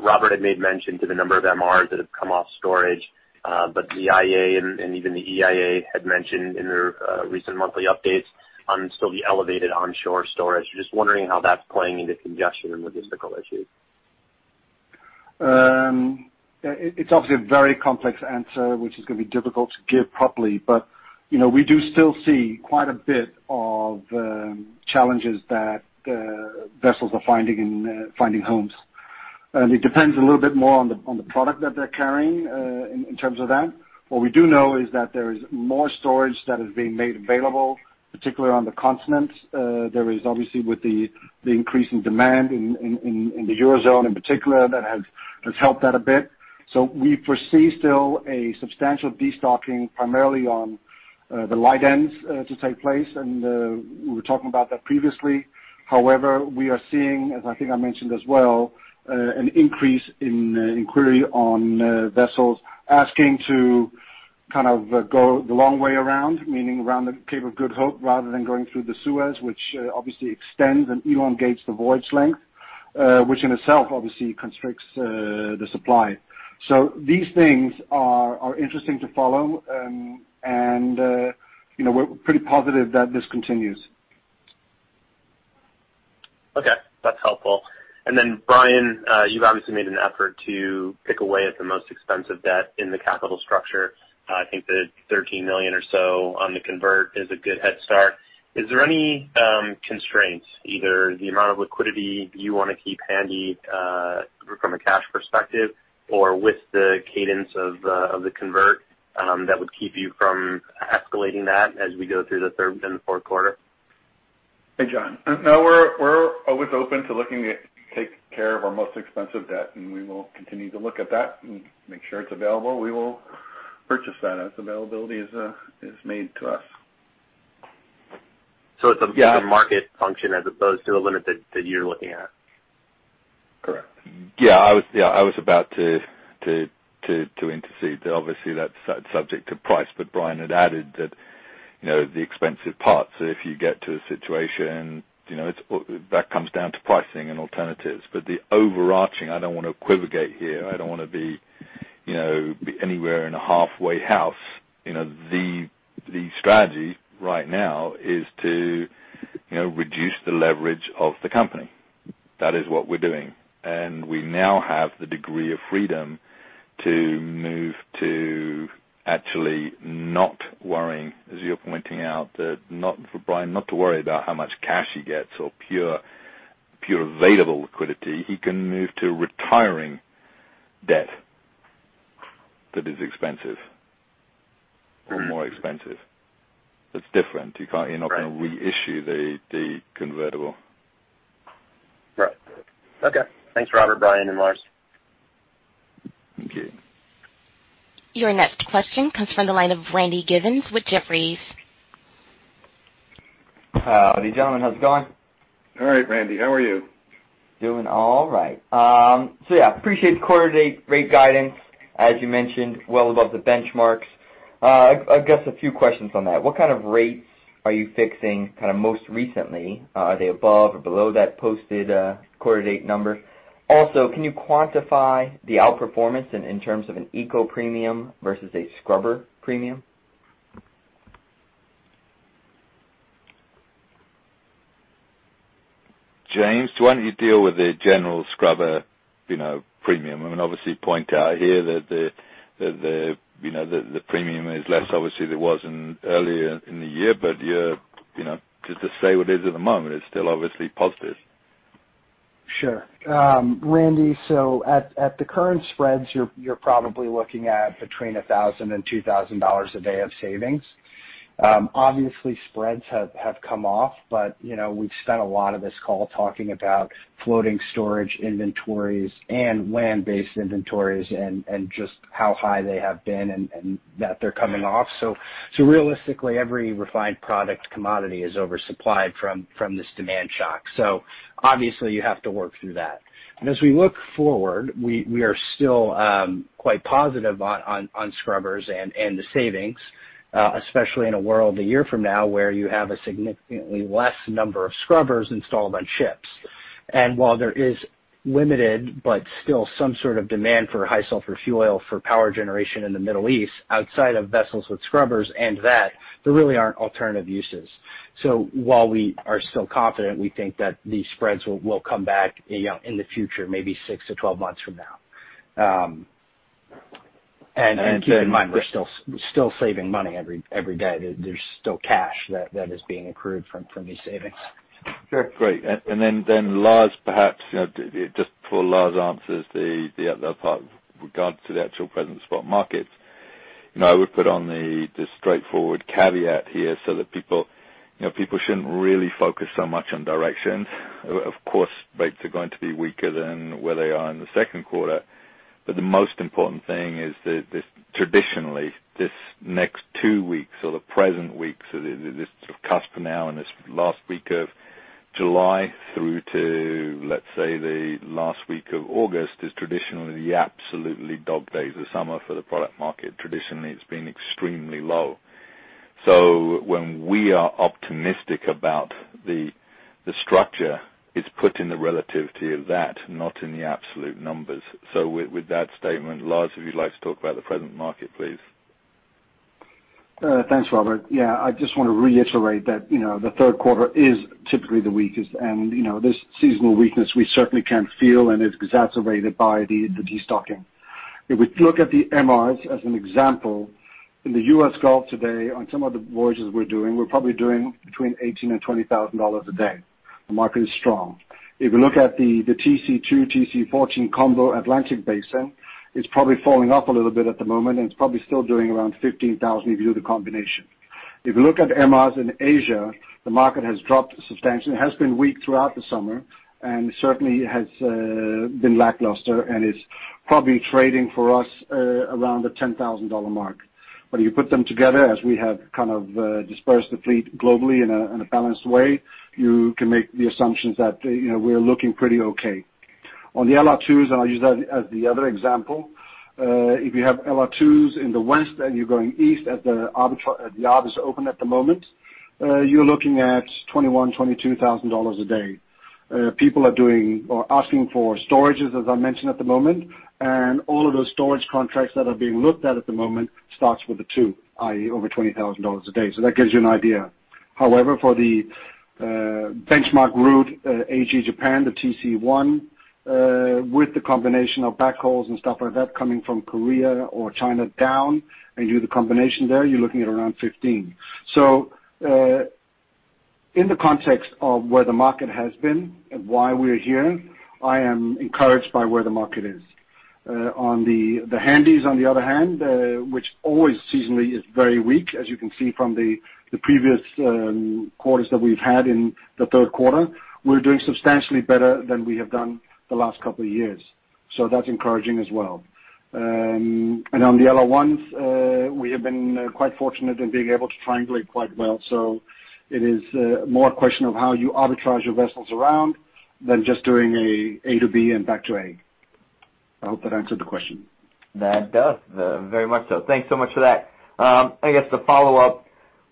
Robert had made mention to the number of MRs that have come off storage, but the IEA and even the EIA had mentioned in their recent monthly updates on still the elevated onshore storage. Just wondering how that's playing into congestion and logistical issues. It's obviously a very complex answer, which is going to be difficult to give properly, but we do still see quite a bit of challenges that vessels are finding homes, and it depends a little bit more on the product that they're carrying in terms of that. What we do know is that there is more storage that is being made available, particularly on the continent. There is obviously, with the increasing demand in the Eurozone in particular, that has helped that a bit, so we foresee still a substantial destocking primarily on the light ends to take place, and we were talking about that previously. However, we are seeing, as I think I mentioned as well, an increase in inquiry on vessels asking to kind of go the long way around, meaning around the Cape of Good Hope rather than going through the Suez, which obviously extends and elongates the voyage length, which in itself obviously constricts the supply. So these things are interesting to follow, and we're pretty positive that this continues. Okay. That's helpful. And then, Brian, you've obviously made an effort to chip away at the most expensive debt in the capital structure. I think the $13 million or so on the convert is a good head start. Is there any constraints, either the amount of liquidity you want to keep handy from a cash perspective or with the cadence of the convert that would keep you from escalating that as we go through the third and the Q4? Hey, John. No, we're always open to looking at taking care of our most expensive debt, and we will continue to look at that and make sure it's available. We will purchase that as availability is made to us. It's a market function as opposed to a limit that you're looking at? Correct. Yeah. I was about to intercede. Obviously, that's subject to price. But Brian had added that the expensive parts, if you get to a situation, that comes down to pricing and alternatives. But the overarching, I don't want to equivocate here. I don't want to be anywhere in a halfway house. The strategy right now is to reduce the leverage of the company. That is what we're doing. And we now have the degree of freedom to move to actually not worrying, as you're pointing out, that not for Brian not to worry about how much cash he gets or pure available liquidity. He can move to retiring debt that is expensive or more expensive. That's different. You're not going to reissue the convertible. Right. Okay. Thanks, Robert, Brian, and Lars. Thank you. Your next question comes from the line of Randy Giveans with Jefferies. Howdy, John. How's it going? All right, Randy. How are you? Doing all right. So yeah, appreciate the quarter-to-date rate guidance, as you mentioned, well above the benchmarks. I guess a few questions on that. What kind of rates are you fixing kind of most recently? Are they above or below that posted quarter-to-date number? Also, can you quantify the outperformance in terms of an eco premium versus a scrubber premium? James, do you want to deal with the general scrubber premium? I mean, obviously, point out here that the premium is less obviously than it was earlier in the year. But just to say what it is at the moment, it's still obviously positive. Sure. Randy, so at the current spreads, you're probably looking at between $1,000 and $2,000 a day of savings. Obviously, spreads have come off, but we've spent a lot of this call talking about floating storage inventories and land-based inventories and just how high they have been and that they're coming off, so realistically, every refined product commodity is oversupplied from this demand shock, so obviously, you have to work through that, and as we look forward, we are still quite positive on scrubbers and the savings, especially in a world a year from now where you have a significantly less number of scrubbers installed on ships. And while there is limited but still some sort of demand for high sulfur fuel oil for power generation in the Middle East outside of vessels with scrubbers and that, there really aren't alternative uses. So while we are still confident, we think that these spreads will come back in the future, maybe six to 12 months from now. And keep in mind, we're still saving money every day. There's still cash that is being accrued from these savings. Sure. Great. And then Lars, perhaps just for Lars' answers, the other part regards to the actual present spot markets. I would put on the straightforward caveat here so that people shouldn't really focus so much on direction. Of course, rates are going to be weaker than where they are in the Q2. But the most important thing is that traditionally, this next two weeks or the present weeks, this cusp now and this last week of July through to, let's say, the last week of August is traditionally the absolutely dog days of summer for the product market. Traditionally, it's been extremely low. So when we are optimistic about the structure, it's put in the relativity of that, not in the absolute numbers. So with that statement, Lars, if you'd like to talk about the present market, please. Thanks, Robert. Yeah. I just want to reiterate that the Q3 is typically the weakest, and this seasonal weakness we certainly can feel and is exacerbated by the destocking. If we look at the MRs as an example, in the U.S. Gulf today, on some of the voyages we're doing, we're probably doing between $18,000 and $20,000 a day. The market is strong. If you look at the TC2, TC14 combo Atlantic Basin, it's probably falling off a little bit at the moment, and it's probably still doing around $15,000 if you do the combination. If you look at MRs in Asia, the market has dropped substantially. It has been weak throughout the summer and certainly has been lackluster and is probably trading for us around the $10,000 mark. But if you put them together, as we have kind of dispersed the fleet globally in a balanced way, you can make the assumptions that we're looking pretty okay. On the LR2s, and I'll use that as the other example, if you have LR2s in the west and you're going east at the harbors open at the moment, you're looking at $21,000-$22,000 a day. People are doing or asking for storages, as I mentioned, at the moment. And all of those storage contracts that are being looked at at the moment starts with a 2, i.e., over $20,000 a day. So that gives you an idea. However, for the benchmark route, AG Japan, the TC1, with the combination of backhauls and stuff like that coming from Korea or China down, and you do the combination there, you're looking at around $15,000. So in the context of where the market has been and why we're here, I am encouraged by where the market is. On the handies, on the other hand, which always seasonally is very weak, as you can see from the previous quarters that we've had in the Q3, we're doing substantially better than we have done the last couple of years. So that's encouraging as well. And on the LR1s, we have been quite fortunate in being able to triangulate quite well. So it is more a question of how you arbitrage your vessels around than just doing an A to B and back to A. I hope that answered the question. That does. Very much so. Thanks so much for that. I guess the follow-up,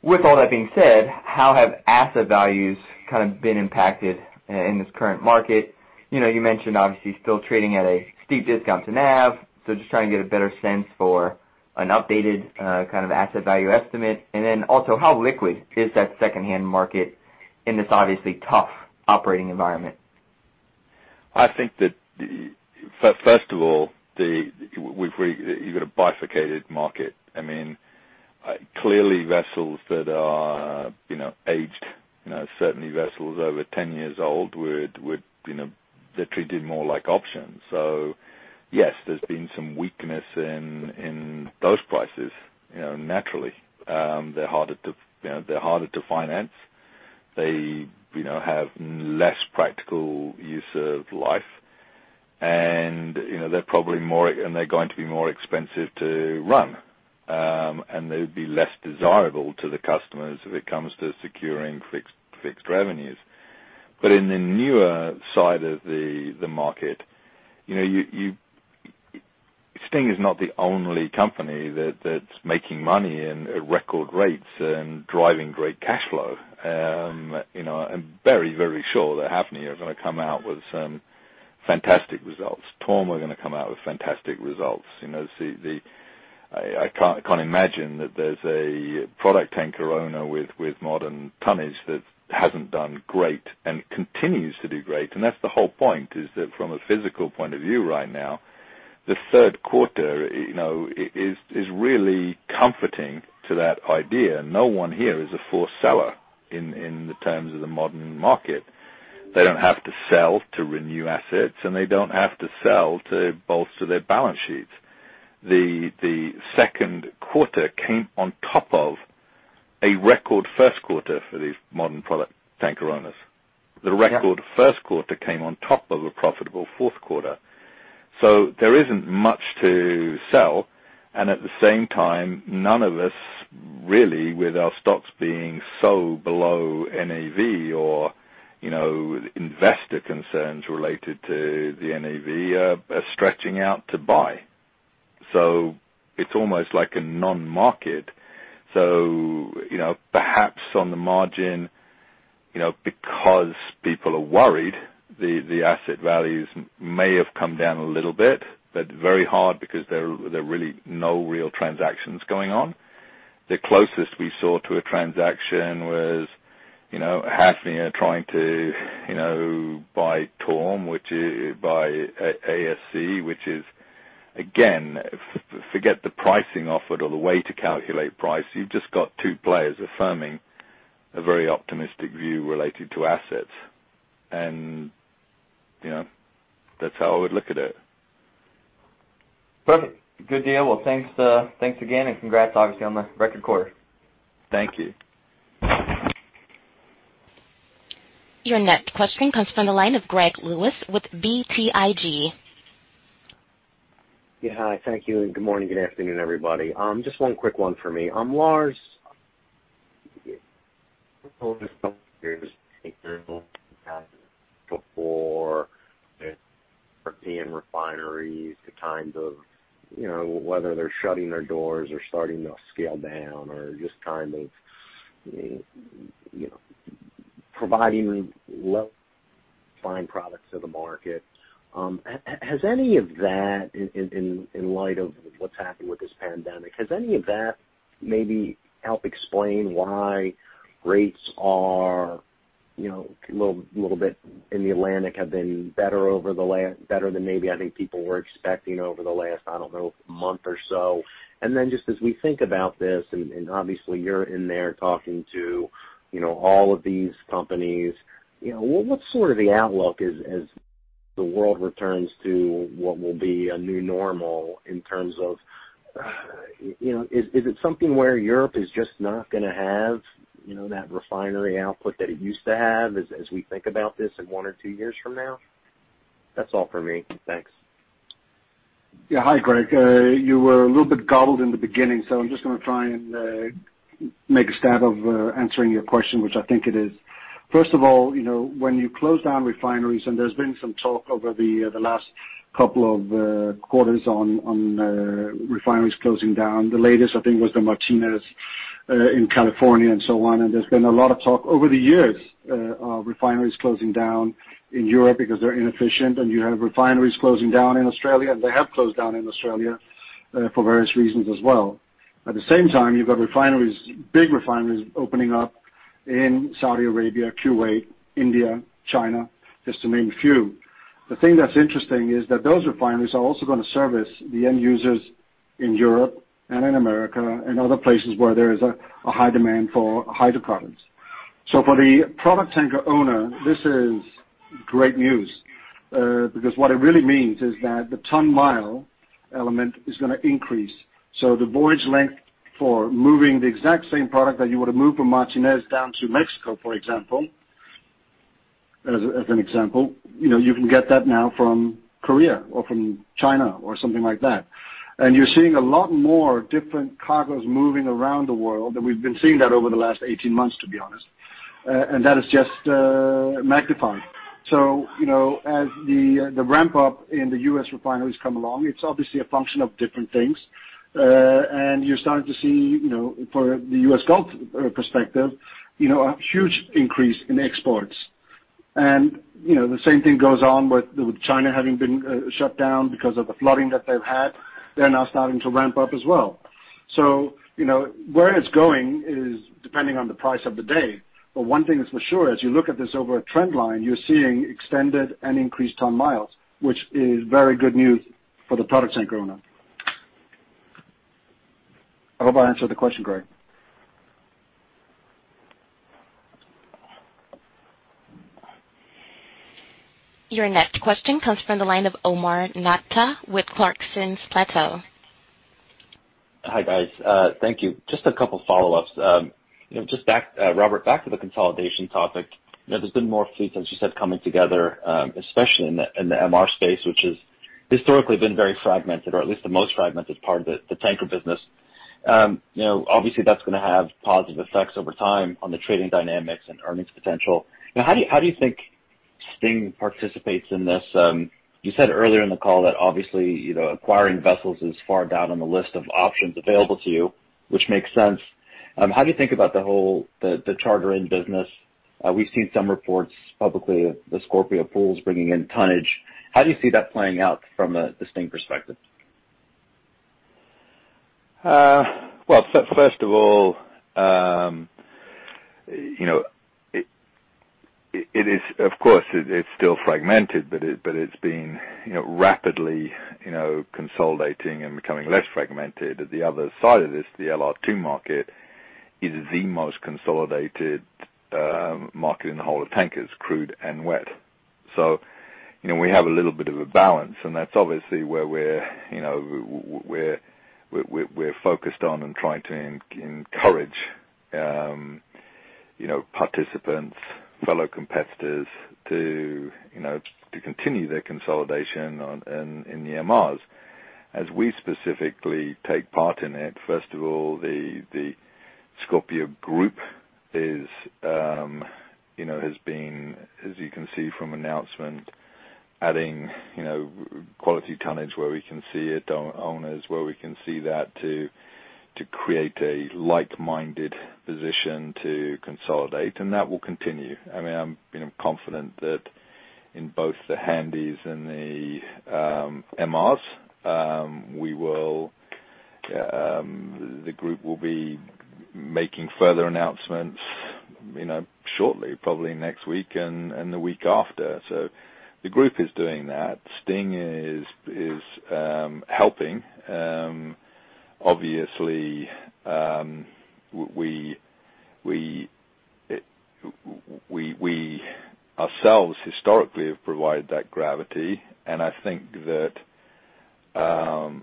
with all that being said, how have asset values kind of been impacted in this current market? You mentioned obviously still trading at a steep discount to NAV. So just trying to get a better sense for an updated kind of asset value estimate. And then also, how liquid is that secondhand market in this obviously tough operating environment? I think that, first of all, you've got a bifurcated market. I mean, clearly, vessels that are aged, certainly vessels over 10 years old, would be treated more like options. So yes, there's been some weakness in those prices, naturally. They're harder to finance. They have less practical use of life. And they're probably more and they're going to be more expensive to run. And they would be less desirable to the customers if it comes to securing fixed revenues. But in the newer side of the market, Stena is not the only company that's making money at record rates and driving great cash flow. I'm very, very sure that Hafnia are going to come out with some fantastic results. Torm are going to come out with fantastic results. I can't imagine that there's a product tanker owner with modern tonnage that hasn't done great and continues to do great. That's the whole point, is that from a physical point of view right now, the Q3 is really comforting to that idea. No one here is a forced seller in terms of the modern market. They don't have to sell to renew assets, and they don't have to sell to bolster their balance sheets. The Q2 came on top of a record Q1 for these modern product tanker owners. The record Q1 came on top of a profitable Q4. So there isn't much to sell. And at the same time, none of us, really, with our stocks being so below NAV or investor concerns related to the NAV, are stretching out to buy. So it's almost like a non-market. So perhaps on the margin, because people are worried, the asset values may have come down a little bit, but very hard because there are really no real transactions going on. The closest we saw to a transaction was Hafnia trying to buy Torm by ASC, which is, again, forget the pricing offered or the way to calculate price. You've just got two players affirming a very optimistic view related to assets. That's how I would look at it. Perfect. Good deal. Well, thanks again. And congrats, obviously, on the record quarter. Thank you. Your next question comes from the line of Greg Lewis with BTIG. Yeah. Hi. Thank you. And good morning, good afternoon, everybody. Just one quick one for me. I'm Lars. For the European refineries, the kind of whether they're shutting their doors or starting to scale down or just kind of providing less refined products to the market, has any of that, in light of what's happened with this pandemic, has any of that maybe helped explain why rates are a little bit in the Atlantic have been better than maybe I think people were expecting over the last, I don't know, month or so? And then just as we think about this, and obviously, you're in there talking to all of these companies, what's sort of the outlook as the world returns to what will be a new normal in terms of is it something where Europe is just not going to have that refinery output that it used to have as we think about this in one or two years from now? That's all for me. Thanks. Yeah. Hi, Greg. You were a little bit gobbled in the beginning, so I'm just going to try and make a stab of answering your question, which I think it is. First of all, when you close down refineries, and there's been some talk over the last couple of quarters on refineries closing down. The latest, I think, was the Martinez in California and so on. There's been a lot of talk over the years of refineries closing down in Europe because they're inefficient. You have refineries closing down in Australia, and they have closed down in Australia for various reasons as well. At the same time, you've got big refineries opening up in Saudi Arabia, Kuwait, India, China, just to name a few. The thing that's interesting is that those refineries are also going to service the end users in Europe and in America and other places where there is a high demand for refined products. For the product tanker owner, this is great news because what it really means is that the ton-mile element is going to increase. So the voyage length for moving the exact same product that you would have moved from Martinez down to Mexico, for example, as an example, you can get that now from Korea or from China or something like that. And you're seeing a lot more different cargoes moving around the world. And we've been seeing that over the last 18 months, to be honest. And that has just magnified. So as the ramp-up in the U.S. refineries come along, it's obviously a function of different things. And you're starting to see, from the U.S. Gulf perspective, a huge increase in exports. And the same thing goes on with China having been shut down because of the flooding that they've had. They're now starting to ramp up as well. So where it's going is depending on the price of the day. But one thing is for sure, as you look at this over a trend line, you're seeing extended and increased ton miles, which is very good news for the product tanker owner. I hope I answered the question, Greg. Your next question comes from the line of Omar Nokta with Clarksons Platou. Hi, guys. Thank you. Just a couple of follow-ups. Just back, Robert, back to the consolidation topic. There's been more fleets, as you said, coming together, especially in the MR space, which has historically been very fragmented, or at least the most fragmented part of the tanker business. Obviously, that's going to have positive effects over time on the trading dynamics and earnings potential. How do you STNG participates in this? You said earlier in the call that obviously acquiring vessels is far down on the list of options available to you, which makes sense. How do you think about the whole charter-in business? We've seen some reports publicly of the Scorpio Pools bringing in tonnage. How do you see that playing out from STNG's perspective? First of all, of course, it's still fragmented, but it's been rapidly consolidating and becoming less fragmented. The other side of this, the LR2 market, is the most consolidated market in the whole of tankers, crude and wet. We have a little bit of a balance. That's obviously where we're focused on and trying to encourage participants, fellow competitors to continue their consolidation in the MRs. As we specifically take part in it, first of all, the Scorpio Group has been, as you can see from announcement, adding quality tonnage where we can see it, owners where we can see that, to create a like-minded position to consolidate. That will continue. I mean, I'm confident that in both the handies and the MRs, the group will be making further announcements shortly, probably next week and the week after. The group is doing that. Spot is helping. Obviously, we ourselves historically have provided that gravity. And I think that there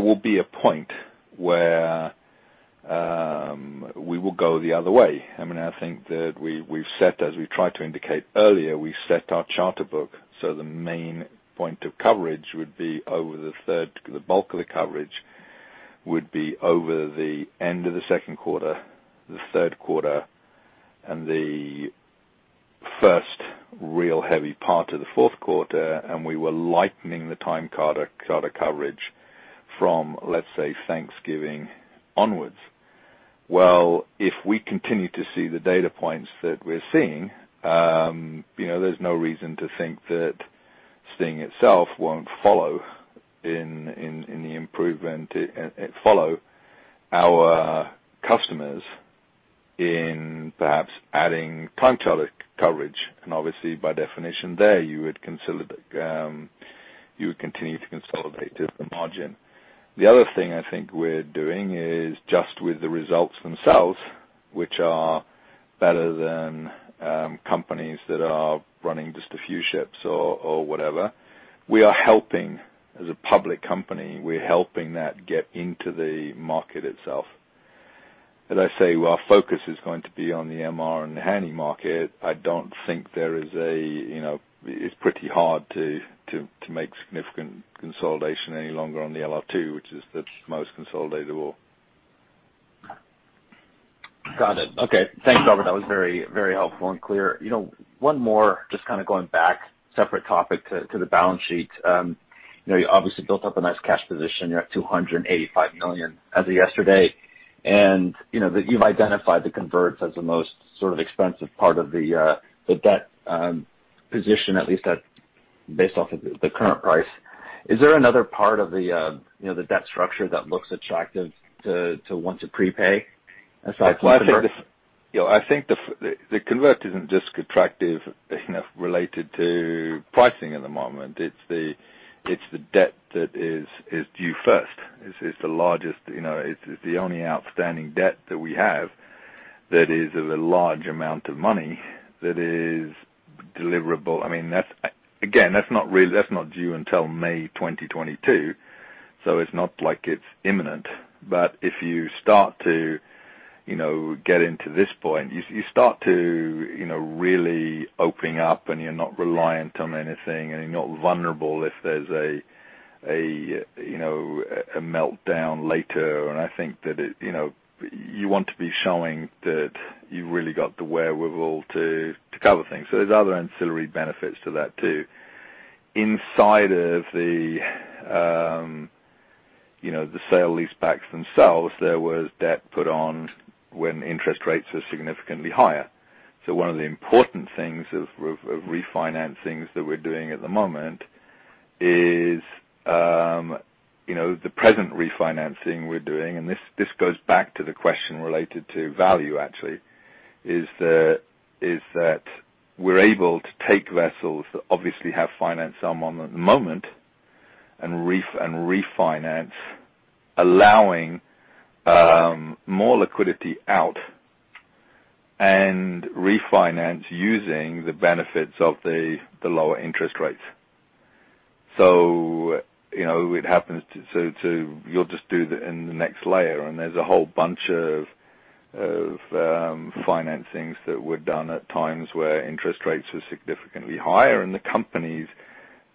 will be a point where we will go the other way. I mean, I think that we've set, as we tried to indicate earlier, we've set our charter book. So the main point of coverage would be over the bulk of the coverage would be over the end of the Q2, the Q3, and the first real heavy part of the Q4. And we were lightening the time charter coverage from, let's say, Thanksgiving onwards. Well, if we continue to see the data points that we're seeing, there's no reason to think that Spot itself won't follow in the improvement and follow our customers in perhaps adding time charter coverage. And obviously, by definition there, you would continue to consolidate at the margin. The other thing I think we're doing is just with the results themselves, which are better than companies that are running just a few ships or whatever. We are helping as a public company. We're helping that get into the market itself. As I say, our focus is going to be on the MR and the handy market. I don't think there is. It's pretty hard to make significant consolidation any longer on the LR2, which is the most consolidated of all. Got it. Okay. Thanks, Robert. That was very helpful and clear. One more, just kind of going back, separate topic to the balance sheet. You obviously built up a nice cash position. You're at $285 million as of yesterday. And you've identified the convertibles as the most sort of expensive part of the debt position, at least based off of the current price. Is there another part of the debt structure that looks attractive to want to prepay aside from convertibles? I think the convertible isn't just attractive related to pricing at the moment. It's the debt that is due first. It's the largest. It's the only outstanding debt that we have that is of a large amount of money that is deliverable. I mean, again, that's not due until May 2022. So it's not like it's imminent. But if you start to get into this point, you start to really open up, and you're not reliant on anything, and you're not vulnerable if there's a meltdown later. And I think that you want to be showing that you've really got the wherewithal to cover things. So there's other ancillary benefits to that too. Inside of the sale-leasebacks themselves, there was debt put on when interest rates were significantly higher. So one of the important things of refinancings that we're doing at the moment is the present refinancing we're doing. And this goes back to the question related to value, actually, is that we're able to take vessels that obviously are financed at the moment and refinance, allowing more liquidity out and refinance using the benefits of the lower interest rates. So it happens to be, you'll just do the next layer. And there's a whole bunch of financings that were done at times where interest rates were significantly higher. And the company's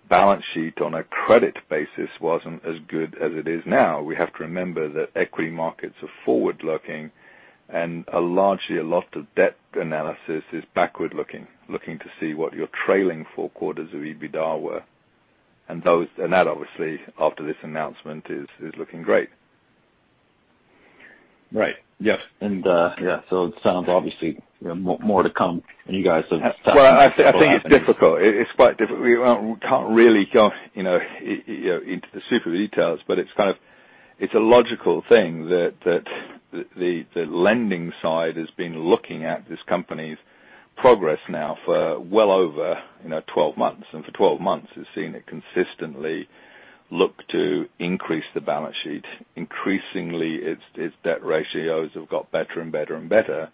balance sheet on a credit basis wasn't as good as it is now. We have to remember that equity markets are forward-looking, and largely a lot of debt analysis is backward-looking, looking to see what your trailing four quarters of EBITDA were. And that, obviously, after this announcement, is looking great. Right. Yes. And yeah, so it sounds obviously more to come. And you guys have. Well, I think it's difficult. It's quite difficult. We can't really go into the super details, but it's kind of a logical thing that the lending side has been looking at this company's progress now for well over 12 months. And for 12 months, it's seen it consistently look to increase the balance sheet. Increasingly, its debt ratios have got better and better and better.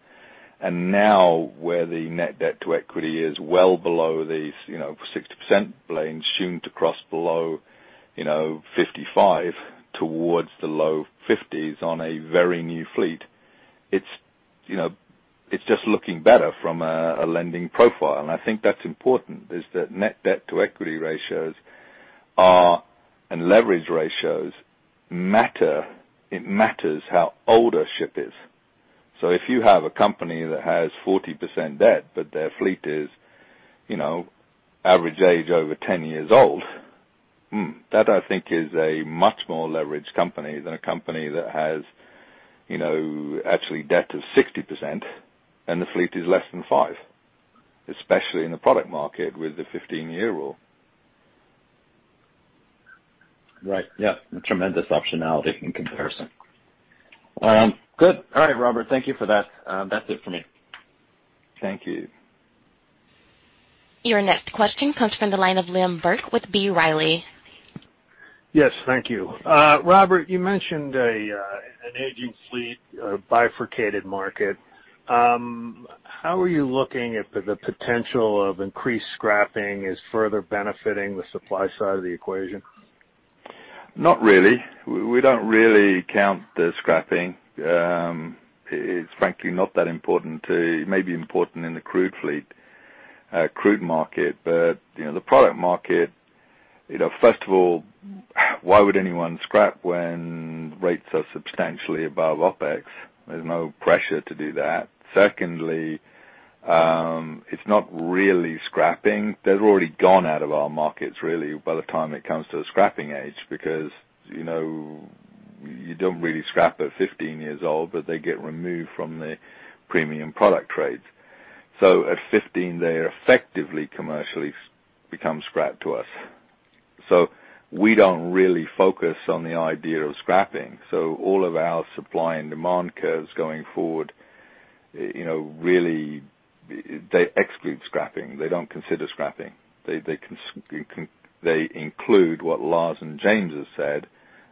And now where the net debt to equity is well below the 60% line, soon to cross below 55 towards the low 50s on a very new fleet, it's just looking better from a lending profile. And I think that's important, is that net debt to equity ratios and leverage ratios matter. It matters how old a ship is. So if you have a company that has 40% debt, but their fleet is average age over 10 years old, that, I think, is a much more leveraged company than a company that has actually debt of 60% and the fleet is less than five, especially in the product market with the 15-year rule. Right. Yeah. Tremendous optionality in comparison. Good. All right, Robert. Thank you for that. That's it for me. Thank you. Your next question comes from the line of Liam Burke with B. Riley. Yes. Thank you. Robert, you mentioned an aging fleet, a bifurcated market. How are you looking at the potential of increased scrapping as further benefiting the supply side of the equation? Not really. We don't really count the scrapping. It's frankly not that important. It may be important in the crude fleet crude market. But the product market, first of all, why would anyone scrap when rates are substantially above OpEx? There's no pressure to do that. Secondly, it's not really scrapping. They've already gone out of our markets, really, by the time it comes to the scrapping age because you don't really scrap at 15 years old, but they get removed from the premium product trades. So at 15, they effectively commercially become scrap to us. So we don't really focus on the idea of scrapping. So all of our supply and demand curves going forward, really, they exclude scrapping. They don't consider scrapping. They include what Lars and James have said,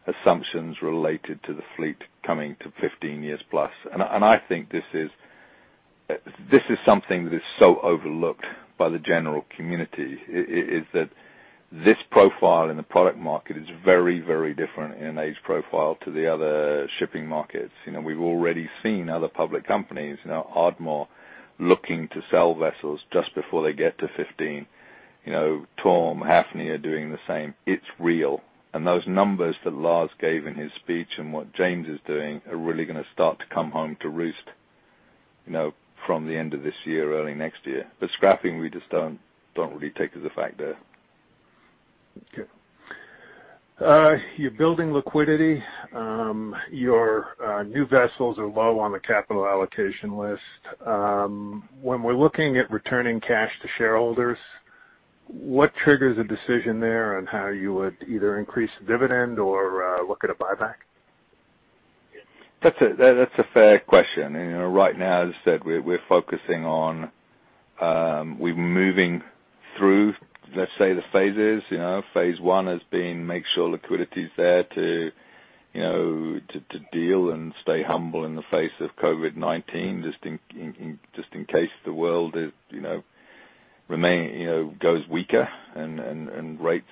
assumptions related to the fleet coming to 15 years plus. And I think this is something that is so overlooked by the general community is that this profile in the product market is very, very different in an age profile to the other shipping markets. We've already seen other public companies, Ardmore, looking to sell vessels just before they get to 15. Torm, Hafnia are doing the same. It's real. And those numbers that Lars gave in his speech and what James is doing are really going to start to come home to roost from the end of this year, early next year. But scrapping, we just don't really take as a factor. Okay. You're building liquidity. Your new vessels are low on the capital allocation list. When we're looking at returning cash to shareholders, what triggers a decision there on how you would either increase dividend or look at a buyback? That's a fair question. Right now, as I said, we're focusing on we're moving through, let's say, the phases. Phase one has been make sure liquidity is there to deal and stay humble in the face of COVID-19, just in case the world goes weaker and rates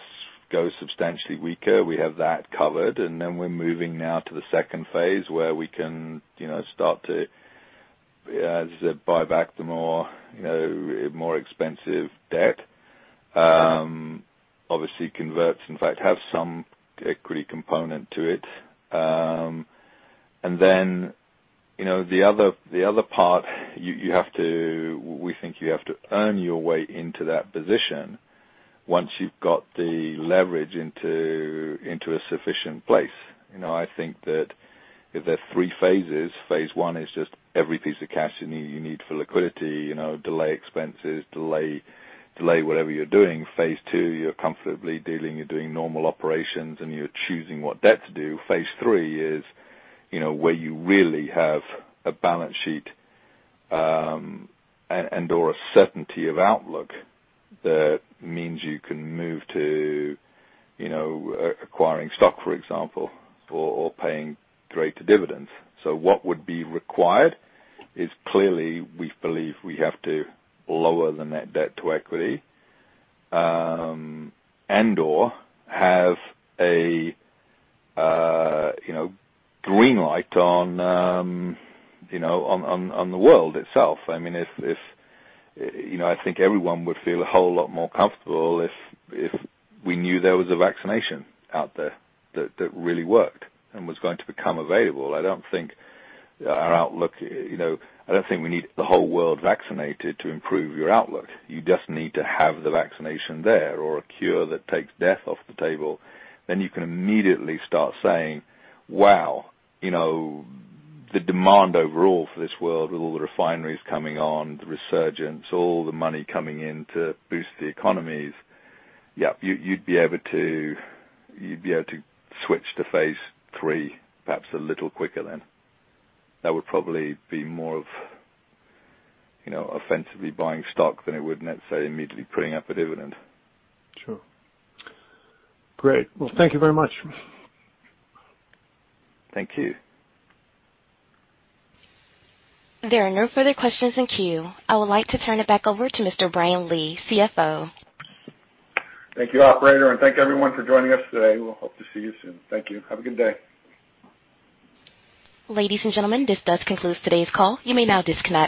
go substantially weaker. We have that covered. And then we're moving now to the second phase where we can start to, as I said, buy back the more expensive debt. Obviously, converts, in fact, have some equity component to it. And then the other part, you have to we think you have to earn your way into that position once you've got the leverage into a sufficient place. I think that there are three phases. Phase one is just every piece of cash you need for liquidity, delay expenses, delay whatever you're doing. Phase two, you're comfortably dealing. You're doing normal operations, and you're choosing what debt to do. Phase three is where you really have a balance sheet and/or a certainty of outlook that means you can move to acquiring stock, for example, or paying greater dividends. So what would be required is clearly, we believe we have to lower the net debt to equity and/or have a green light on the world itself. I mean, I think everyone would feel a whole lot more comfortable if we knew there was a vaccination out there that really worked and was going to become available. I don't think we need the whole world vaccinated to improve your outlook. You just need to have the vaccination there or a cure that takes death off the table. Then you can immediately start saying, "Wow, the demand overall for this world with all the refineries coming on, the resurgence, all the money coming in to boost the economies," yeah, you'd be able to switch to phase three, perhaps a little quicker than. That would probably be more of offensively buying stock than it would, let's say, immediately putting up a dividend. Sure. Great. Well, thank you very much. Thank you. There are no further questions in queue. I would like to turn it back over to Mr. Brian Lee, CFO. Thank you, operator. And thank everyone for joining us today. We hope to see you soon. Thank you. Have a good day. Ladies and gentlemen, this does conclude today's call. You may now disconnect.